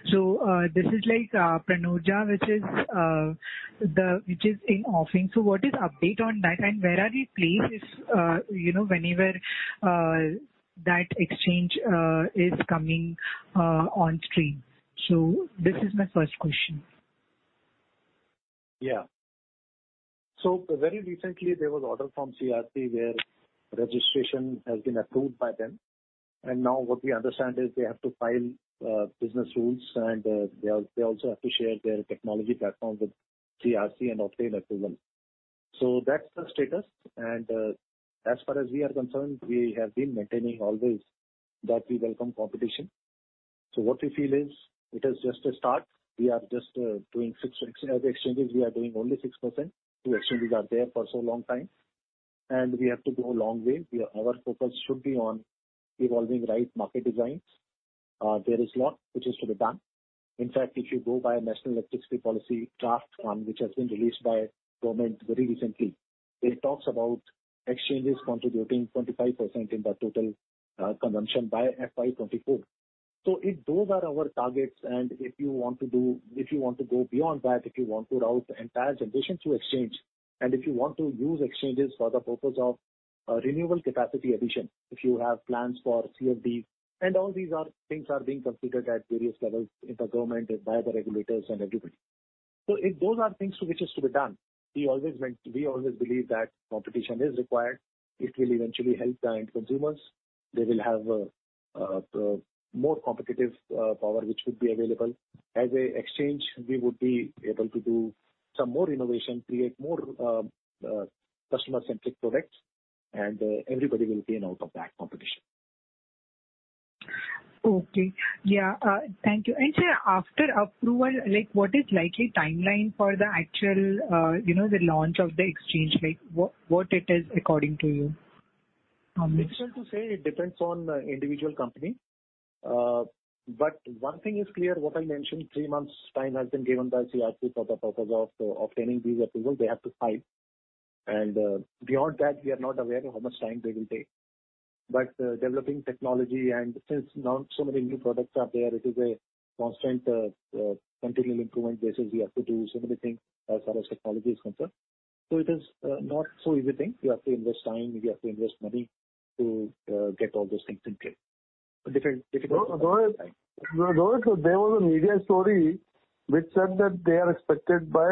[SPEAKER 11] This is like Pranurja, which is in offering. What is update on that and where are we placed, whenever that exchange is coming on stream? This is my first question.
[SPEAKER 3] Very recently there was order from CERC where registration has been approved by them. Now what we understand is they have to file business rules and they also have to share their technology platform with CERC and obtain approval. That's the status. As far as we are concerned, we have been maintaining always that we welcome competition. What we feel is it is just a start. As exchanges, we are doing only 6%. Two exchanges are there for so long time, and we have to go a long way. Our focus should be on evolving right market designs. There is lot which is to be done. In fact, if you go by National Electricity Policy Draft, which has been released by government very recently, it talks about exchanges contributing 25% in the total consumption by FY 2024. If those are our targets, and if you want to go beyond that, if you want to route entire generation through exchange, and if you want to use exchanges for the purpose of renewable capacity addition, if you have plans for CFD, and all these are things are being considered at various levels in the government and by the regulators and everybody. If those are things which is to be done, we always believe that competition is required. It will eventually help the end consumers. They will have more competitive power which would be available. As an exchange, we would be able to do some more innovation, create more customer-centric products, and everybody will gain out of that competition.
[SPEAKER 11] Okay. Yeah. Thank you. Sir, after approval, what is likely timeline for the actual launch of the exchange? What it is according to you?
[SPEAKER 3] It's hard to say. It depends on individual company. One thing is clear, what I mentioned, three months time has been given by CERC for the purpose of obtaining these approvals. They have to file. Beyond that, we are not aware of how much time they will take. Developing technology, and since not so many new products are there, it is a constant continual improvement basis. We have to do so many things as far as technology is concerned. It is not so easy thing. You have to invest time, you have to invest money to get all those things in place.
[SPEAKER 4] Rohit, there was a media story which said that they are expected by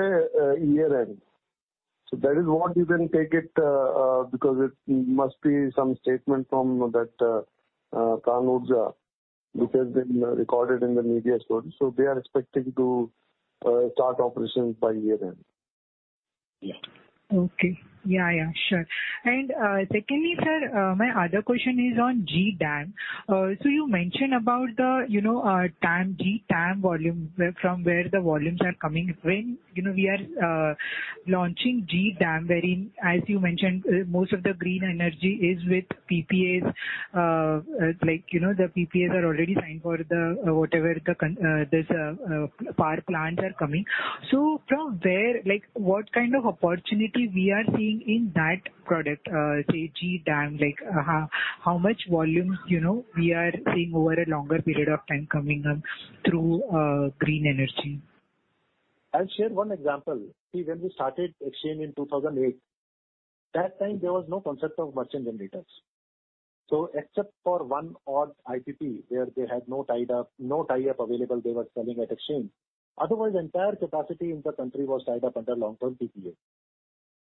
[SPEAKER 4] year-end. That is what you can take it, because it must be some statement from that Pranurja, which has been recorded in the media as well. They are expecting to start operations by year-end.
[SPEAKER 3] Yeah.
[SPEAKER 11] Okay. Yeah, sure. Secondly, sir, my other question is on GDAM. You mentioned about the GDAM volume, from where the volumes are coming when we are launching GDAM, wherein as you mentioned, most of the green energy is with PPAs. The PPAs are already signed for whatever these power plants are coming. From there, what kind of opportunity we are seeing in that product, say, GDAM, how much volumes we are seeing over a longer period of time coming up through green energy?
[SPEAKER 3] I'll share one example. See, when we started exchange in 2008, at that time, there was no concept of merchant generators. Except for one odd IPP, where they had no tie-up available, they were selling at exchange. Otherwise, entire capacity in the country was tied up under long-term PPA.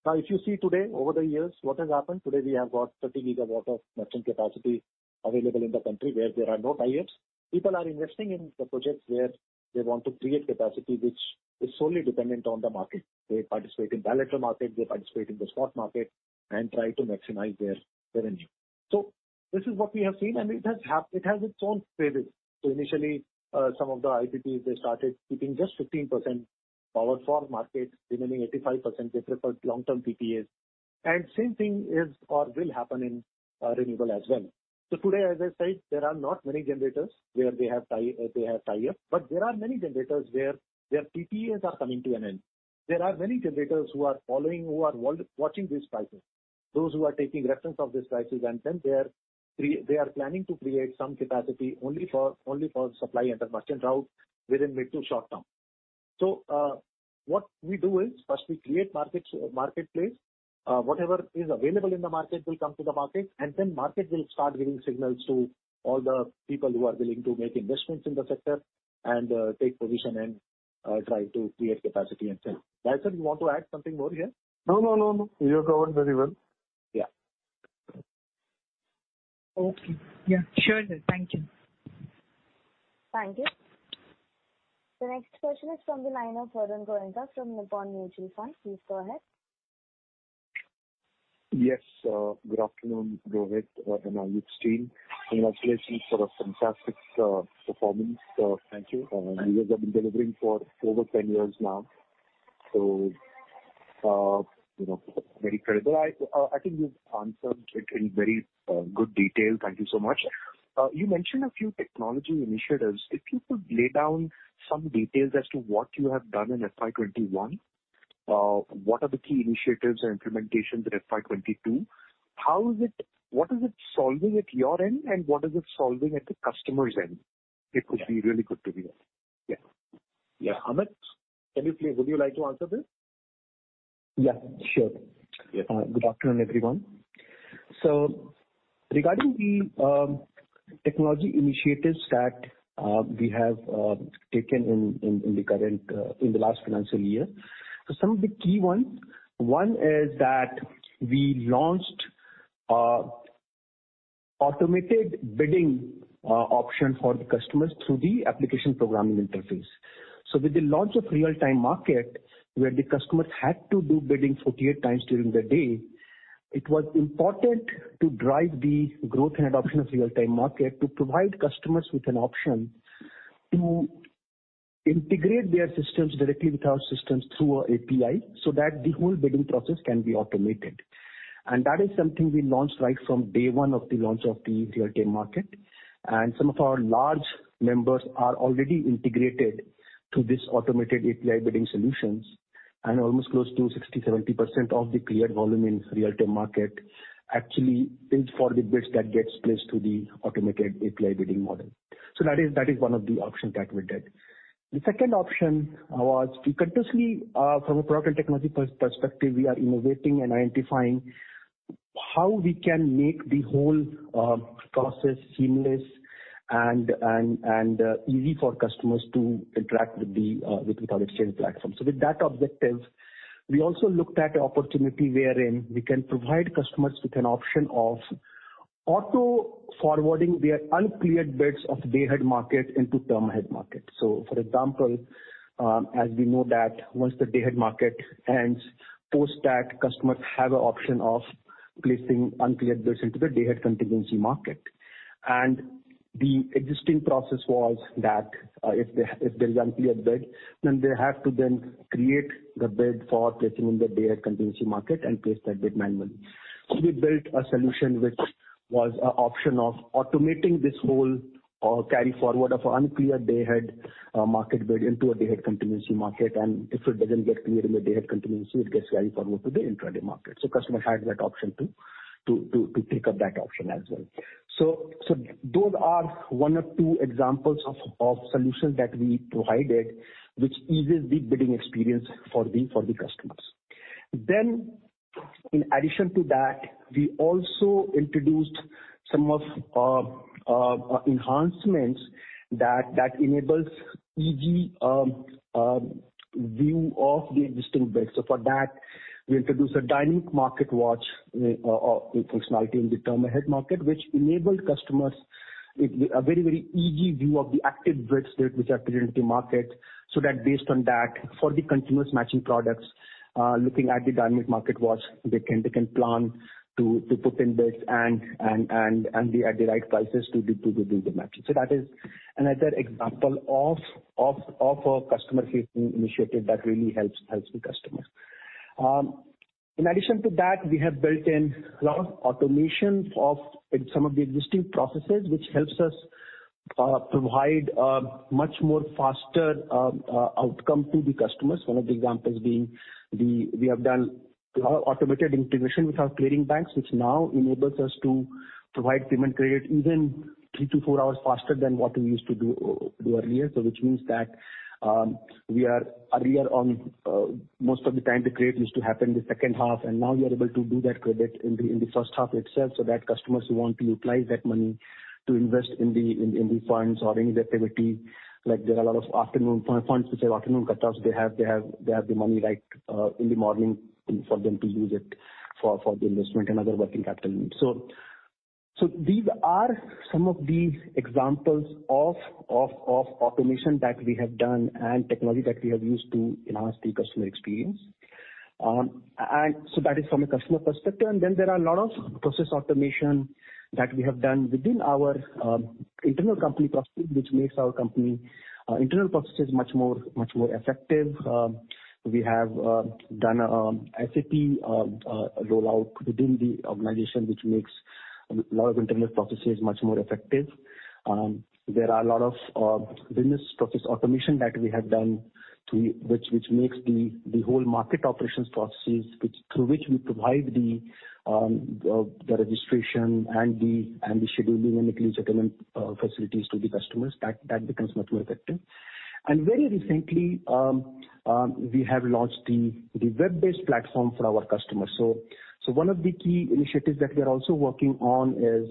[SPEAKER 3] Now, if you see today, over the years, what has happened, today we have got 30 GW of merchant capacity available in the country where there are no tie-ups. People are investing in the projects where they want to create capacity, which is solely dependent on the market. They participate in bilateral market, they participate in the spot market, and try to maximize their revenue. This is what we have seen, and it has its own phases. Initially, some of the IPPs, they started keeping just 15% power for market, remaining 85% they preferred long-term PPAs. Same thing is or will happen in renewable as well. Today, as I said, there are not many generators where they have tie-up, but there are many generators where their PPAs are coming to an end. There are many generators who are following, who are watching these prices, those who are taking reference of these prices, and then they are planning to create some capacity only for supply under merchant route within mid to short term. What we do is, first we create marketplace. Whatever is available in the market will come to the market, and then market will start giving signals to all the people who are willing to make investments in the sector and take position and try to create capacity and sell. Rajesh, you want to add something more here?
[SPEAKER 4] No. You have covered very well.
[SPEAKER 3] Yeah.
[SPEAKER 11] Okay. Yeah, sure sir. Thank you.
[SPEAKER 1] Thank you. The next question is from the line of Varun Goenka from Nippon India Mutual Fund. Please go ahead.
[SPEAKER 12] Yes. Good afternoon, Rohit and IEX team. Congratulations for a fantastic performance.
[SPEAKER 3] Thank you.
[SPEAKER 12] You guys have been delivering for over 10 years now, very credible. I think you've answered it in very good detail. Thank you so much. You mentioned a few technology initiatives. If you could lay down some details as to what you have done in FY 2021, what are the key initiatives and implementations in FY 2022, what is it solving at your end, and what is it solving at the customer's end? It would be really good to hear.
[SPEAKER 3] Yeah. Amit, would you like to answer this?
[SPEAKER 13] Yeah, sure.
[SPEAKER 3] Yes.
[SPEAKER 13] Good afternoon, everyone. Regarding the technology initiatives that we have taken in the last financial year. Some of the key ones. One is that we launched automated bidding option for the customers through the application programming interface. With the launch of Real-Time Market, where the customers had to do bidding 48 times during the day, it was important to drive the growth and adoption of Real-Time Market to provide customers with an option to integrate their systems directly with our systems through API, so that the whole bidding process can be automated. That is something we launched right from day one of the launch of the Real-Time Market. Some of our large members are already integrated to this automated API bidding solutions, and almost close to 60%-70% of the cleared volume in Real-Time Market actually is for the bids that gets placed to the automated API bidding model. That is one of the options that we did. The second option was we continuously, from a product and technology perspective, we are innovating and identifying how we can make the whole process seamless and easy for customers to interact with our exchange platform. With that objective, we also looked at opportunity wherein we can provide customers with an option of auto-forwarding their uncleared bids of Day-Ahead Market into Term Ahead Market. For example, as we know that once the Day-Ahead Market ends, post that, customers have an option of placing uncleared bids into the Day Ahead Contingency Market. The existing process was that if there is uncleared bid, then they have to then create the bid for placing in the Day Ahead Contingency Market and place that bid manually. We built a solution which was a option of automating this whole carry forward of uncleared Day-Ahead Market bid into a Day Ahead Contingency Market, and if it doesn't get cleared in the Day Ahead Contingency, it gets carried forward to the intraday market. Customer has that option to pick up that option as well. Those are one or two examples of solutions that we provided which eases the bidding experience for the customers. In addition to that, we also introduced some of enhancements that enables easy view of the existing bids. For that, we introduced a dynamic market watch functionality in the Term Ahead Market, which enabled customers a very easy view of the active bids which are present in the market. Based on that, for the continuous matching products, looking at the dynamic market watch, they can plan to put in bids and be at the right prices to do the matching. That is another example of a customer-facing initiative that really helps the customers. In addition to that, we have built in a lot of automation of some of the existing processes, which helps us provide a much more faster outcome to the customers. One of the examples being we have done automated integration with our clearing banks, which now enables us to provide payment credit even 3-4 hours faster than what we used to do earlier. Which means that we are earlier on most of the time the credit used to happen the second half, and now we are able to do that credit in the first half itself, so that customers who want to utilize that money to invest in the funds or in the activity. There are a lot of afternoon funds, which have afternoon cutoffs. They have the money right in the morning for them to use it for the investment and other working capital needs. These are some of the examples of automation that we have done and technology that we have used to enhance the customer experience. That is from a customer perspective. Then there are a lot of process automation that we have done within our internal company processes, which makes our company internal processes much more effective. We have done a SAP rollout within the organization, which makes a lot of internal processes much more effective. There are a lot of business process automation that we have done, which makes the whole market operations processes through which we provide the registration and the scheduling and settlement facilities to the customers. That becomes much more effective. Very recently, we have launched the web-based platform for our customers. One of the key initiatives that we are also working on is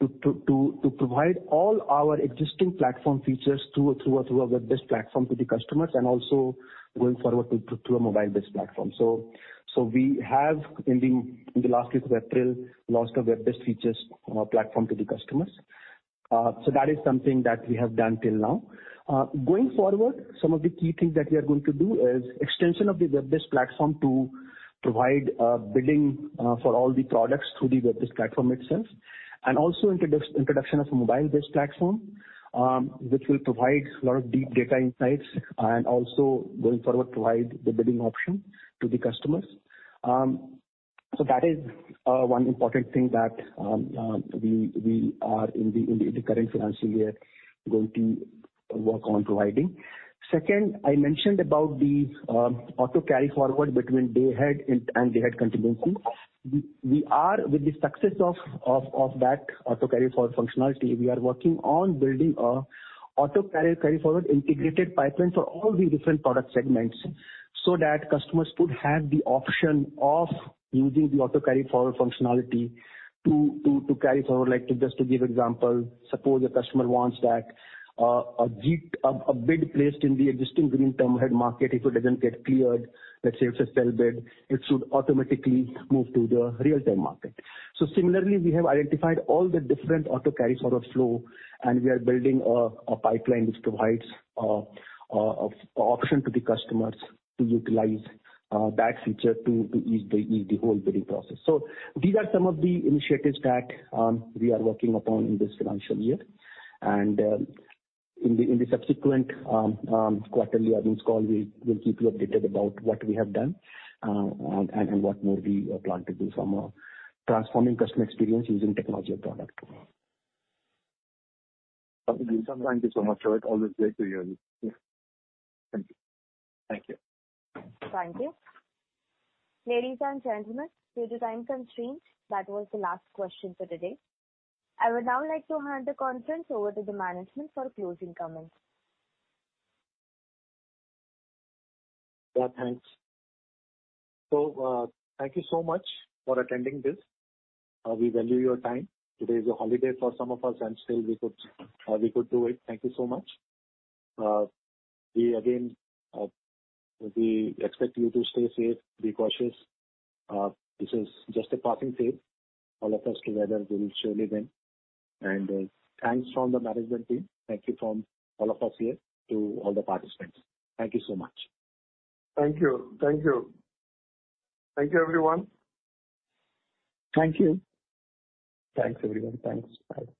[SPEAKER 13] to provide all our existing platform features through our web-based platform to the customers and also going forward to a mobile-based platform. We have in the last week of April, launched our web-based features platform to the customers. That is something that we have done till now. Going forward, some of the key things that we are going to do is extension of the web-based platform to provide billing for all the products through the web-based platform itself, and also introduction of a mobile-based platform, which will provide a lot of deep data insights and also going forward provide the billing option to the customers. That is one important thing that we are in the current financial year going to work on providing. Second, I mentioned about the auto carry forward between Day-Ahead and Day Ahead Contingency. With the success of that auto carry forward functionality, we are working on building a auto carry forward integrated pipeline for all the different product segments so that customers could have the option of using the auto carry forward functionality to carry forward. Just to give example, suppose a customer wants that a bid placed in the existing Green Term Ahead Market if it doesn't get cleared, let's say it's a sell bid, it should automatically move to the Real-Time Market. Similarly, we have identified all the different auto carry forward flow, and we are building a pipeline which provides option to the customers to utilize that feature to ease the whole bidding process. These are some of the initiatives that we are working upon in this financial year. In the subsequent quarterly earnings call, we will keep you updated about what we have done and what more we plan to do from transforming customer experience using technology or product.
[SPEAKER 12] Thank you so much, Amit. Always great to hear you.
[SPEAKER 13] Yes. Thank you.
[SPEAKER 12] Thank you.
[SPEAKER 1] Thank you. Ladies and gentlemen, due to time constraints, that was the last question for today. I would now like to hand the conference over to the management for closing comments.
[SPEAKER 13] Yeah, thanks. Thank you so much for attending this. We value your time. Today is a holiday for some of us, and still we could do it. Thank you so much. We again expect you to stay safe, be cautious. This is just a passing phase. All of us together will surely win. Thanks from the management team. Thank you from all of us here to all the participants. Thank you so much.
[SPEAKER 12] Thank you.
[SPEAKER 4] Thank you. Thank you, everyone.
[SPEAKER 13] Thank you. Thanks, everyone. Thanks. Bye.